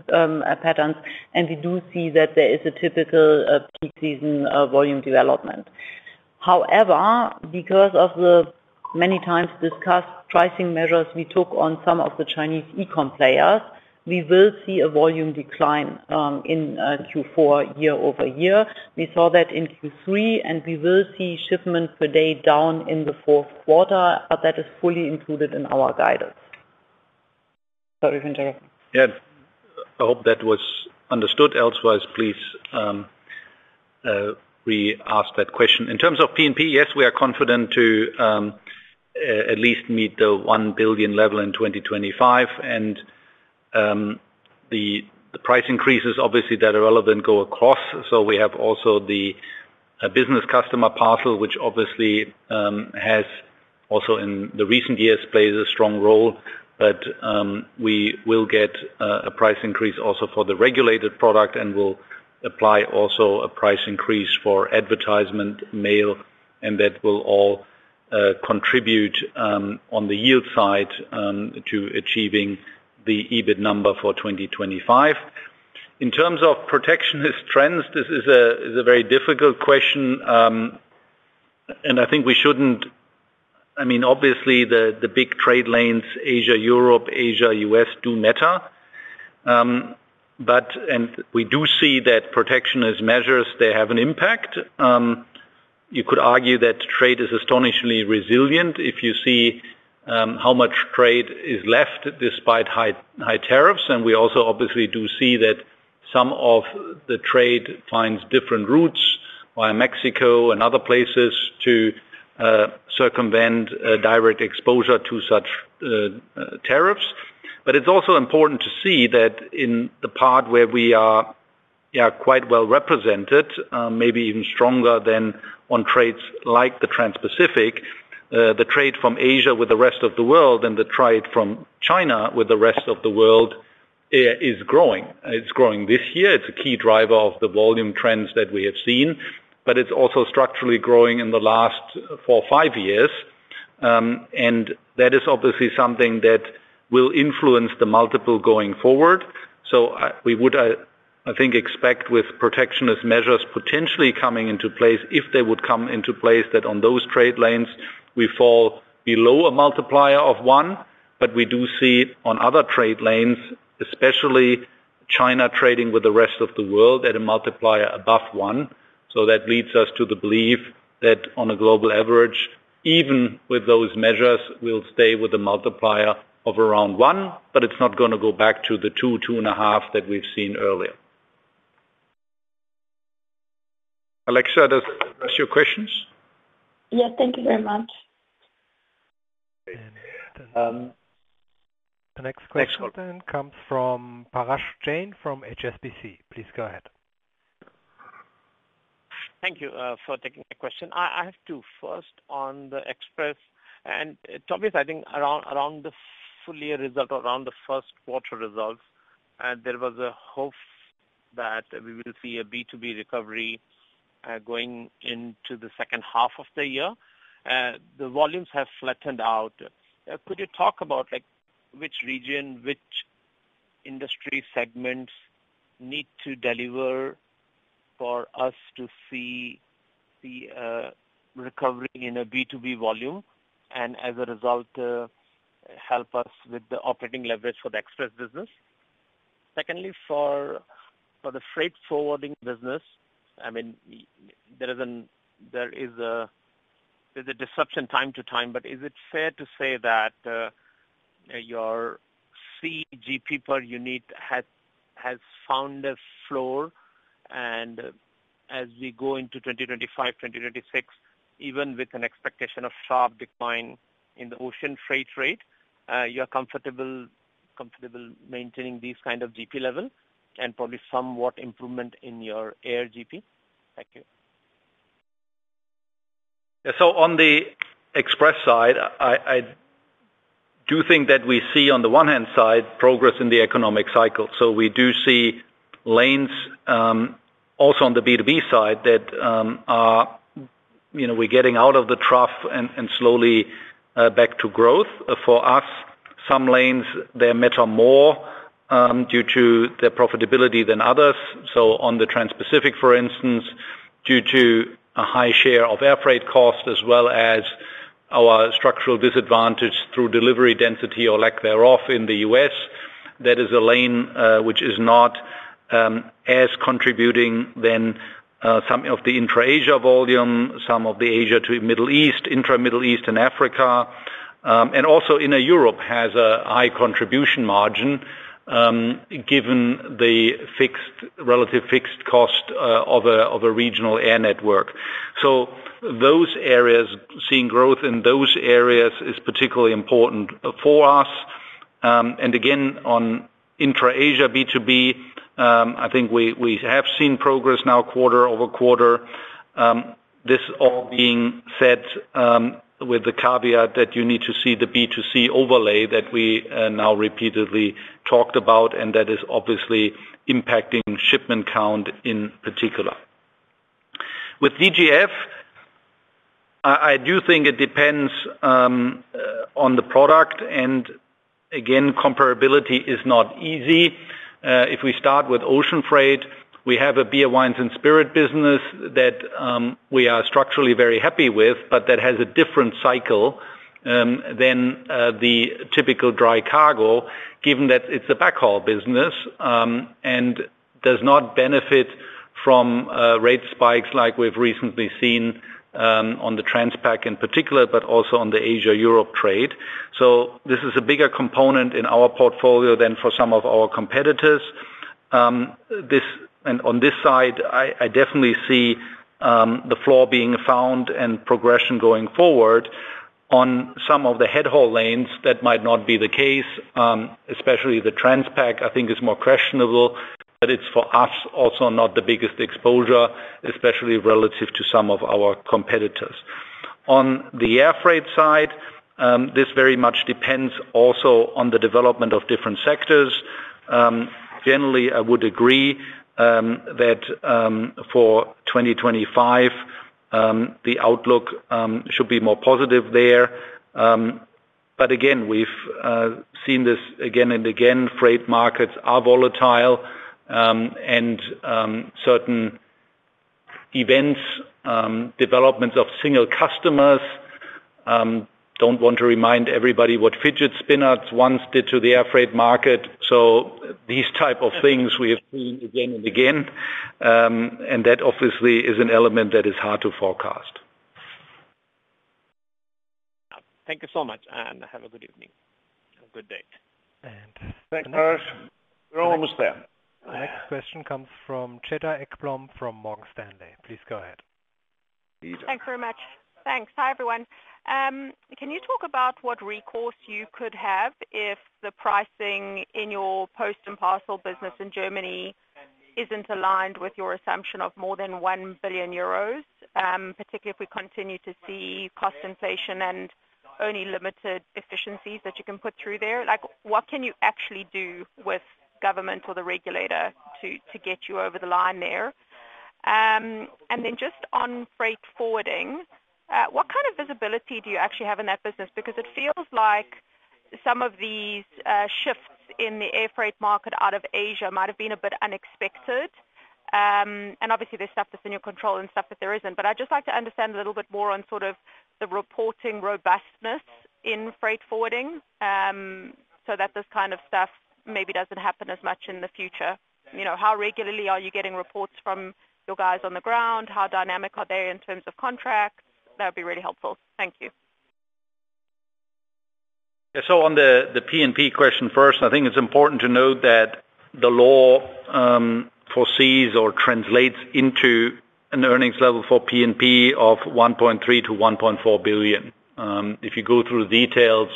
patterns, and we do see that there is a typical peak season volume development. However, because of the many times discussed pricing measures we took on some of the Chinese e-com players, we will see a volume decline in Q4 year over year. We saw that in Q3, and we will see shipment per day down in the fourth quarter, but that is fully included in our guidance. Sorry if I interrupt. Yeah. I hope that was understood. Otherwise, please re-ask that question. In terms of P&P, yes, we are confident to at least meet the 1 billion level in 2025, and the price increases, obviously, that are relevant go across. So we have also the business customer parcel, which obviously has also in the recent years played a strong role. But we will get a price increase also for the regulated product, and we'll apply also a price increase for advertisement mail, and that will all contribute on the yield side to achieving the EBIT number for 2025. In terms of protectionist trends, this is a very difficult question, and I think we shouldn't. I mean, obviously, the big trade lanes, Asia, Europe, Asia, U.S., do matter. And we do see that protectionist measures, they have an impact. You could argue that trade is astonishingly resilient if you see how much trade is left despite high tariffs. And we also obviously do see that some of the trade finds different routes via Mexico and other places to circumvent direct exposure to such tariffs. But it's also important to see that in the part where we are quite well represented, maybe even stronger than on trades like the Trans-Pacific, the trade from Asia with the rest of the world and the trade from China with the rest of the world is growing. It's growing this year. It's a key driver of the volume trends that we have seen, but it's also structurally growing in the last four or five years. And that is obviously something that will influence the multiple going forward. So we would, I think, expect with protectionist measures potentially coming into place, if they would come into place, that on those trade lanes, we fall below a multiplier of one. But we do see on other trade lanes, especially China trading with the rest of the world at a multiplier above one. So that leads us to the belief that on a global average, even with those measures, we'll stay with a multiplier of around one, but it's not going to go back to the two, two and a half that we've seen earlier. Alexia, does that address your questions? Yes. Thank you very much. The next question then comes from Parash Jain from HSBC. Please go ahead. Thank you for taking my question. I have two first on the Express. And obviously, I think around the full year result, around the first quarter results, there was a hope that we will see a B2B recovery going into the second half of the year. The volumes have flattened out. Could you talk about which region, which industry segments need to deliver for us to see the recovery in a B2B volume and as a result, help us with the operating leverage for the Express business? Secondly, for the freight forwarding business, I mean, there is a disruption time to time, but is it fair to say that your Sea GP per unit has found a floor? And as we go into 2025, 2026, even with an expectation of sharp decline in the ocean freight rate, you're comfortable maintaining these kind of GP level and probably somewhat improvement in your air GP? Thank you. Yeah. So on the Express side, I do think that we see on the one hand side progress in the economic cycle. So we do see lanes also on the B2B side that we're getting out of the trough and slowly back to growth for us. Some lanes, they're matter more due to their profitability than others. On the Trans-Pacific, for instance, due to a high share of air freight cost as well as our structural disadvantage through delivery density or lack thereof in the US, that is a lane which is not as contributing than some of the intra-Asia volume, some of the Asia to Middle East, intra-Middle East and Africa, and also intra-Europe has a high contribution margin given the relative fixed cost of a regional air network. Those areas seeing growth in those areas is particularly important for us. Again, on intra-Asia B2B, I think we have seen progress now quarter over quarter. This all being said with the caveat that you need to see the B2C overlay that we now repeatedly talked about, and that is obviously impacting shipment count in particular. With DGF, I do think it depends on the product, and again, comparability is not easy. If we start with ocean freight, we have a beers, wines, and spirits business that we are structurally very happy with, but that has a different cycle than the typical dry cargo, given that it's a backhaul business and does not benefit from rate spikes like we've recently seen on the Transpacific in particular, but also on the Asia-Europe trade, so this is a bigger component in our portfolio than for some of our competitors, and on this side, I definitely see the floor being found and progression going forward on some of the headhaul lanes. That might not be the case, especially the Transpacific. I think is more questionable, but it's for us also not the biggest exposure, especially relative to some of our competitors. On the air freight side, this very much depends also on the development of different sectors. Generally, I would agree that for 2025, the outlook should be more positive there. But again, we've seen this again and again. Freight markets are volatile, and certain events, developments of single customers don't want to remind everybody what fidget spinners once did to the air freight market. So these type of things we have seen again and again, and that obviously is an element that is hard to forecast. Thank you so much, and have a good evening. Have a good day. And thanks, Parash. We're almost there. Next question comes from Cedar Ekblom from Morgan Stanley. Please go ahead. Thanks very much. Thanks. Hi, everyone. Can you talk about what recourse you could have if the pricing in your post and parcel business in Germany isn't aligned with your assumption of more than 1 billion euros, particularly if we continue to see cost inflation and only limited efficiencies that you can put through there? What can you actually do with government or the regulator to get you over the line there? And then just on freight forwarding, what kind of visibility do you actually have in that business? Because it feels like some of these shifts in the air freight market out of Asia might have been a bit unexpected. And obviously, there's stuff that's in your control and stuff that there isn't. But I'd just like to understand a little bit more on sort of the reporting robustness in freight forwarding so that this kind of stuff maybe doesn't happen as much in the future. How regularly are you getting reports from your guys on the ground? How dynamic are they in terms of contracts? That would be really helpful. Thank you. Yeah. So on the P&P question first, I think it's important to note that the law foresees or translates into an earnings level for P&P of 1.3 billion-1.4 billion. If you go through details,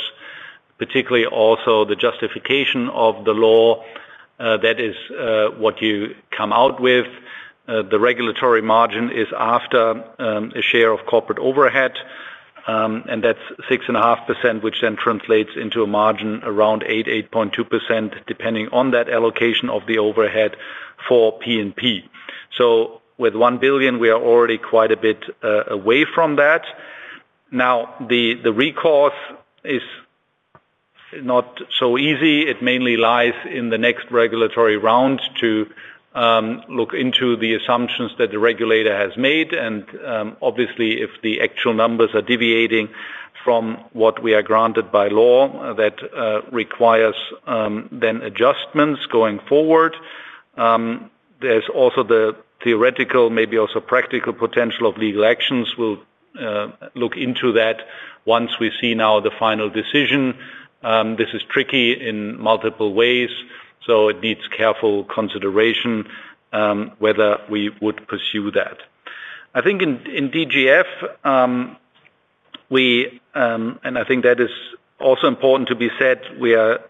particularly also the justification of the law, that is what you come out with. The regulatory margin is after a share of corporate overhead, and that's 6.5%, which then translates into a margin around 8%-8.2%, depending on that allocation of the overhead for P&P. So with 1 billion, we are already quite a bit away from that. Now, the recourse is not so easy. It mainly lies in the next regulatory round to look into the assumptions that the regulator has made. And obviously, if the actual numbers are deviating from what we are granted by law, that requires then adjustments going forward. There's also the theoretical, maybe also practical potential of legal actions. We'll look into that once we see now the final decision. This is tricky in multiple ways, so it needs careful consideration whether we would pursue that. I think in DGF, we—and I think that is also important to be said—we are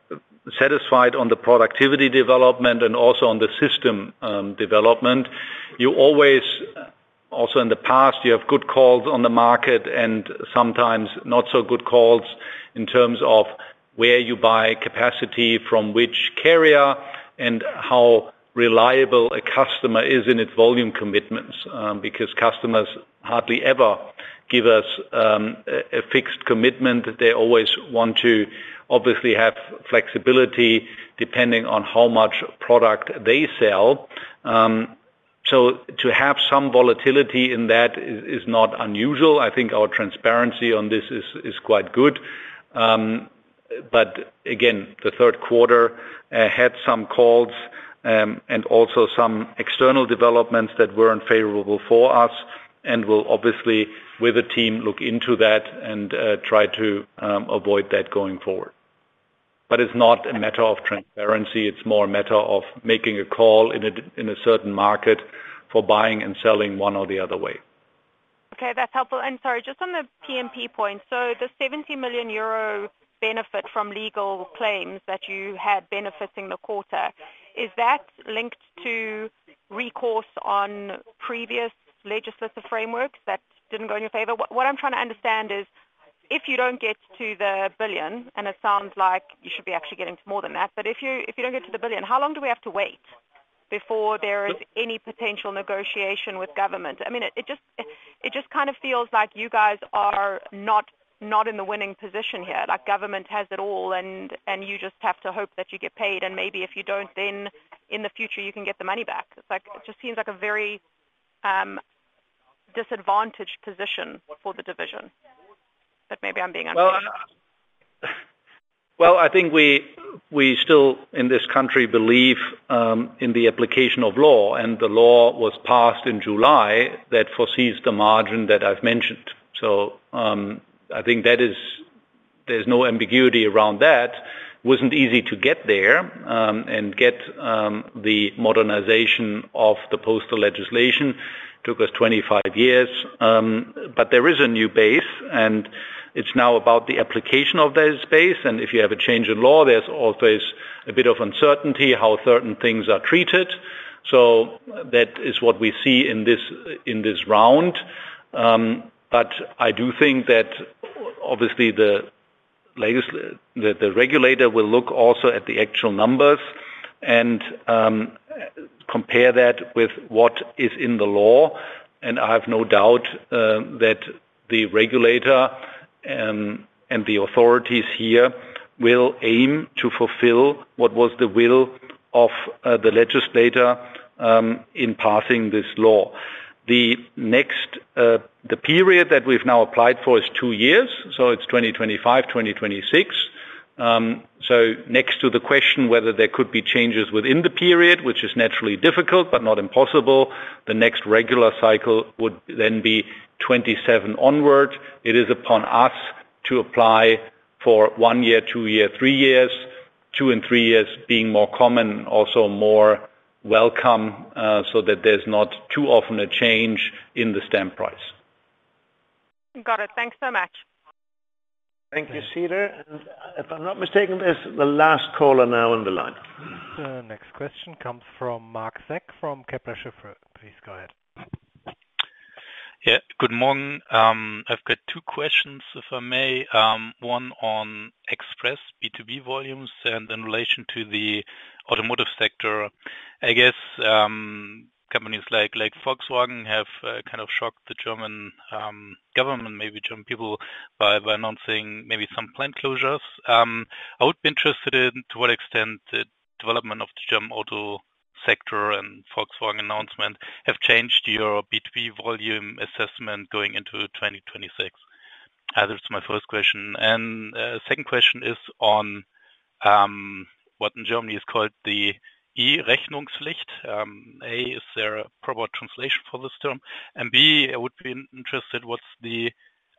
satisfied on the productivity development and also on the system development. You always, also in the past, you have good calls on the market and sometimes not so good calls in terms of where you buy capacity from which carrier and how reliable a customer is in its volume commitments. Because customers hardly ever give us a fixed commitment. They always want to obviously have flexibility depending on how much product they sell. So to have some volatility in that is not unusual. I think our transparency on this is quite good. But again, the third quarter had some calls and also some external developments that were unfavorable for us and will obviously, with a team, look into that and try to avoid that going forward. But it's not a matter of transparency. It's more a matter of making a call in a certain market for buying and selling one or the other way. Okay. That's helpful. Sorry, just on the P&P point, so the 70 million euro benefit from legal claims that you had benefiting the quarter, is that linked to recourse on previous legislative frameworks that didn't go in your favor? What I'm trying to understand is if you don't get to the 1 billion, and it sounds like you should be actually getting to more than that, but if you don't get to the 1 billion, how long do we have to wait before there is any potential negotiation with government? I mean, it just kind of feels like you guys are not in the winning position here. Government has it all, and you just have to hope that you get paid. And maybe if you don't, then in the future, you can get the money back. It just seems like a very disadvantaged position for the division. But maybe I'm being unclear. I think we're still in this country believe in the application of law. The law was passed in July that foresees the margin that I've mentioned. I think there's no ambiguity around that. It wasn't easy to get there, and the modernization of the postal legislation took us 25 years. There is a new base, and it's now about the application of that base. If you have a change in law, there's always a bit of uncertainty how certain things are treated. That is what we see in this round. I do think that obviously the regulator will look also at the actual numbers and compare that with what is in the law. I have no doubt that the regulator and the authorities here will aim to fulfill what was the will of the legislator in passing this law. The period that we've now applied for is two years, so it's 2025, 2026. So next to the question whether there could be changes within the period, which is naturally difficult but not impossible, the next regular cycle would then be 2027 onward. It is upon us to apply for one year, two years, three years, two and three years being more common, also more welcome, so that there's not too often a change in the stamp price. Got it. Thanks so much. Thank you, Cedar. And if I'm not mistaken, there's the last caller now on the line. Next question comes from Marc Zeck from Kepler Cheuvreux. Please go ahead. Yeah. Good morning. I've got two questions, if I may. One on Express B2B volumes and in relation to the automotive sector. I guess companies like Volkswagen have kind of shocked the German government, maybe German people, by announcing maybe some plant closures. I would be interested in to what extent the development of the German auto sector and Volkswagen announcement have changed your B2B volume assessment going into 2026. That's my first question. And second question is on what in Germany is called the E-Rechnungspflicht. A, is there a proper translation for this term? And B, I would be interested what's the,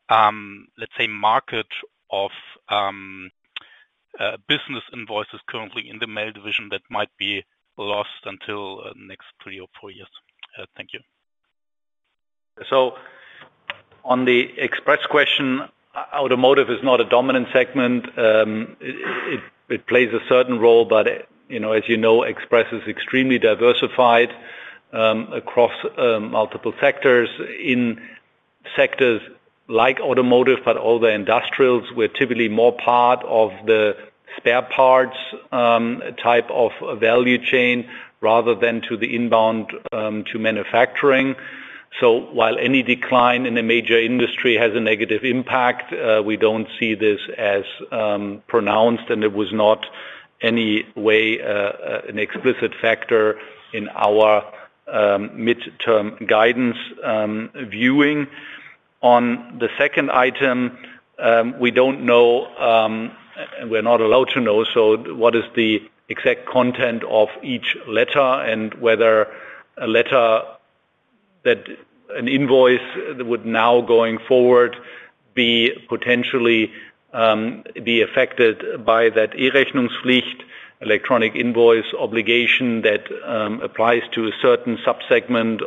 let's say, market of business invoices currently in the mail division that might be lost until next three or four years. Thank you. So on the Express question, automotive is not a dominant segment. It plays a certain role, but as you know, Express is extremely diversified across multiple sectors. In sectors like automotive, but all the industrials, we're typically more part of the spare parts type of value chain rather than to the inbound to manufacturing. So while any decline in a major industry has a negative impact, we don't see this as pronounced, and there was not any way an explicit factor in our midterm guidance viewing. On the second item, we don't know, and we're not allowed to know, so what is the exact content of each letter and whether a letter that an invoice would now going forward be potentially affected by that E-Rechnungspflicht, electronic invoice obligation that applies to a certain subsegment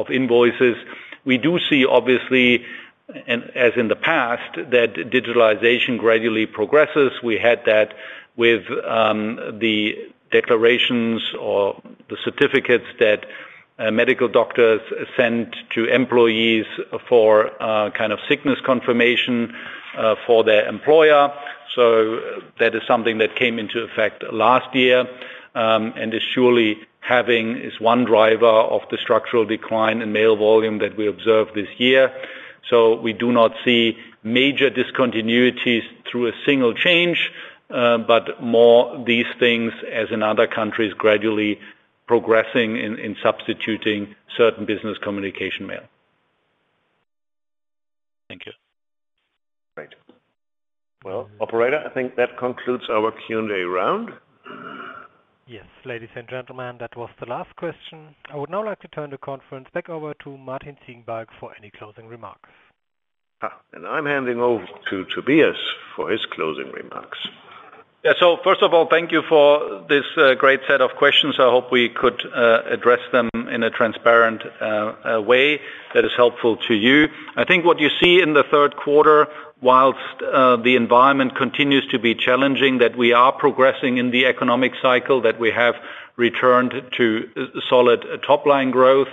of invoices. We do see, obviously, as in the past, that digitalization gradually progresses. We had that with the declarations or the certificates that medical doctors sent to employees for kind of sickness confirmation for their employer. So that is something that came into effect last year and is surely having one driver of the structural decline in mail volume that we observed this year. So we do not see major discontinuities through a single change, but more these things as in other countries gradually progressing in substituting certain business communication mail. Thank you. Great. Well, operator, I think that concludes our Q&A round. Yes. Ladies and gentlemen, that was the last question. I would now like to turn the conference back over to Martin Ziegenbalg for any closing remarks. And I'm handing over to Tobias for his closing remarks. Yeah. So first of all, thank you for this great set of questions. I hope we could address them in a transparent way that is helpful to you. I think what you see in the third quarter, while the environment continues to be challenging, that we are progressing in the economic cycle, that we have returned to solid top-line growth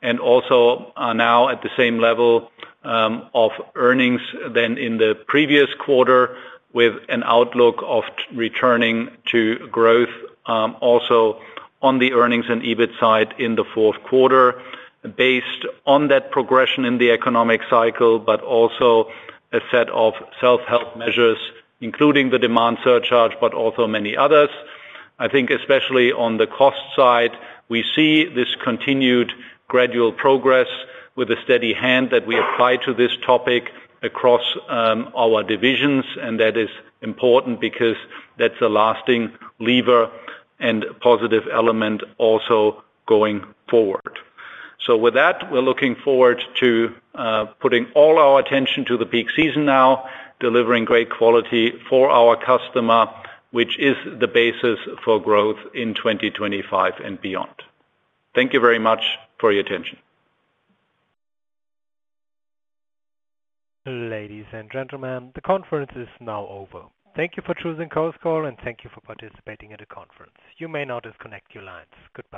and also are now at the same level of earnings than in the previous quarter with an outlook of returning to growth also on the earnings and EBIT side in the fourth quarter based on that progression in the economic cycle, but also a set of self-help measures, including the Demand Surcharge, but also many others. I think especially on the cost side, we see this continued gradual progress with a steady hand that we apply to this topic across our divisions, and that is important because that's a lasting lever and positive element also going forward. So with that, we're looking forward to putting all our attention to the peak season now, delivering great quality for our customer, which is the basis for growth in 2025 and beyond. Thank you very much for your attention. Ladies and gentlemen, the conference is now over. Thank you for choosing Chorus Call, and thank you for participating in the conference. You may now disconnect your lines. Goodbye.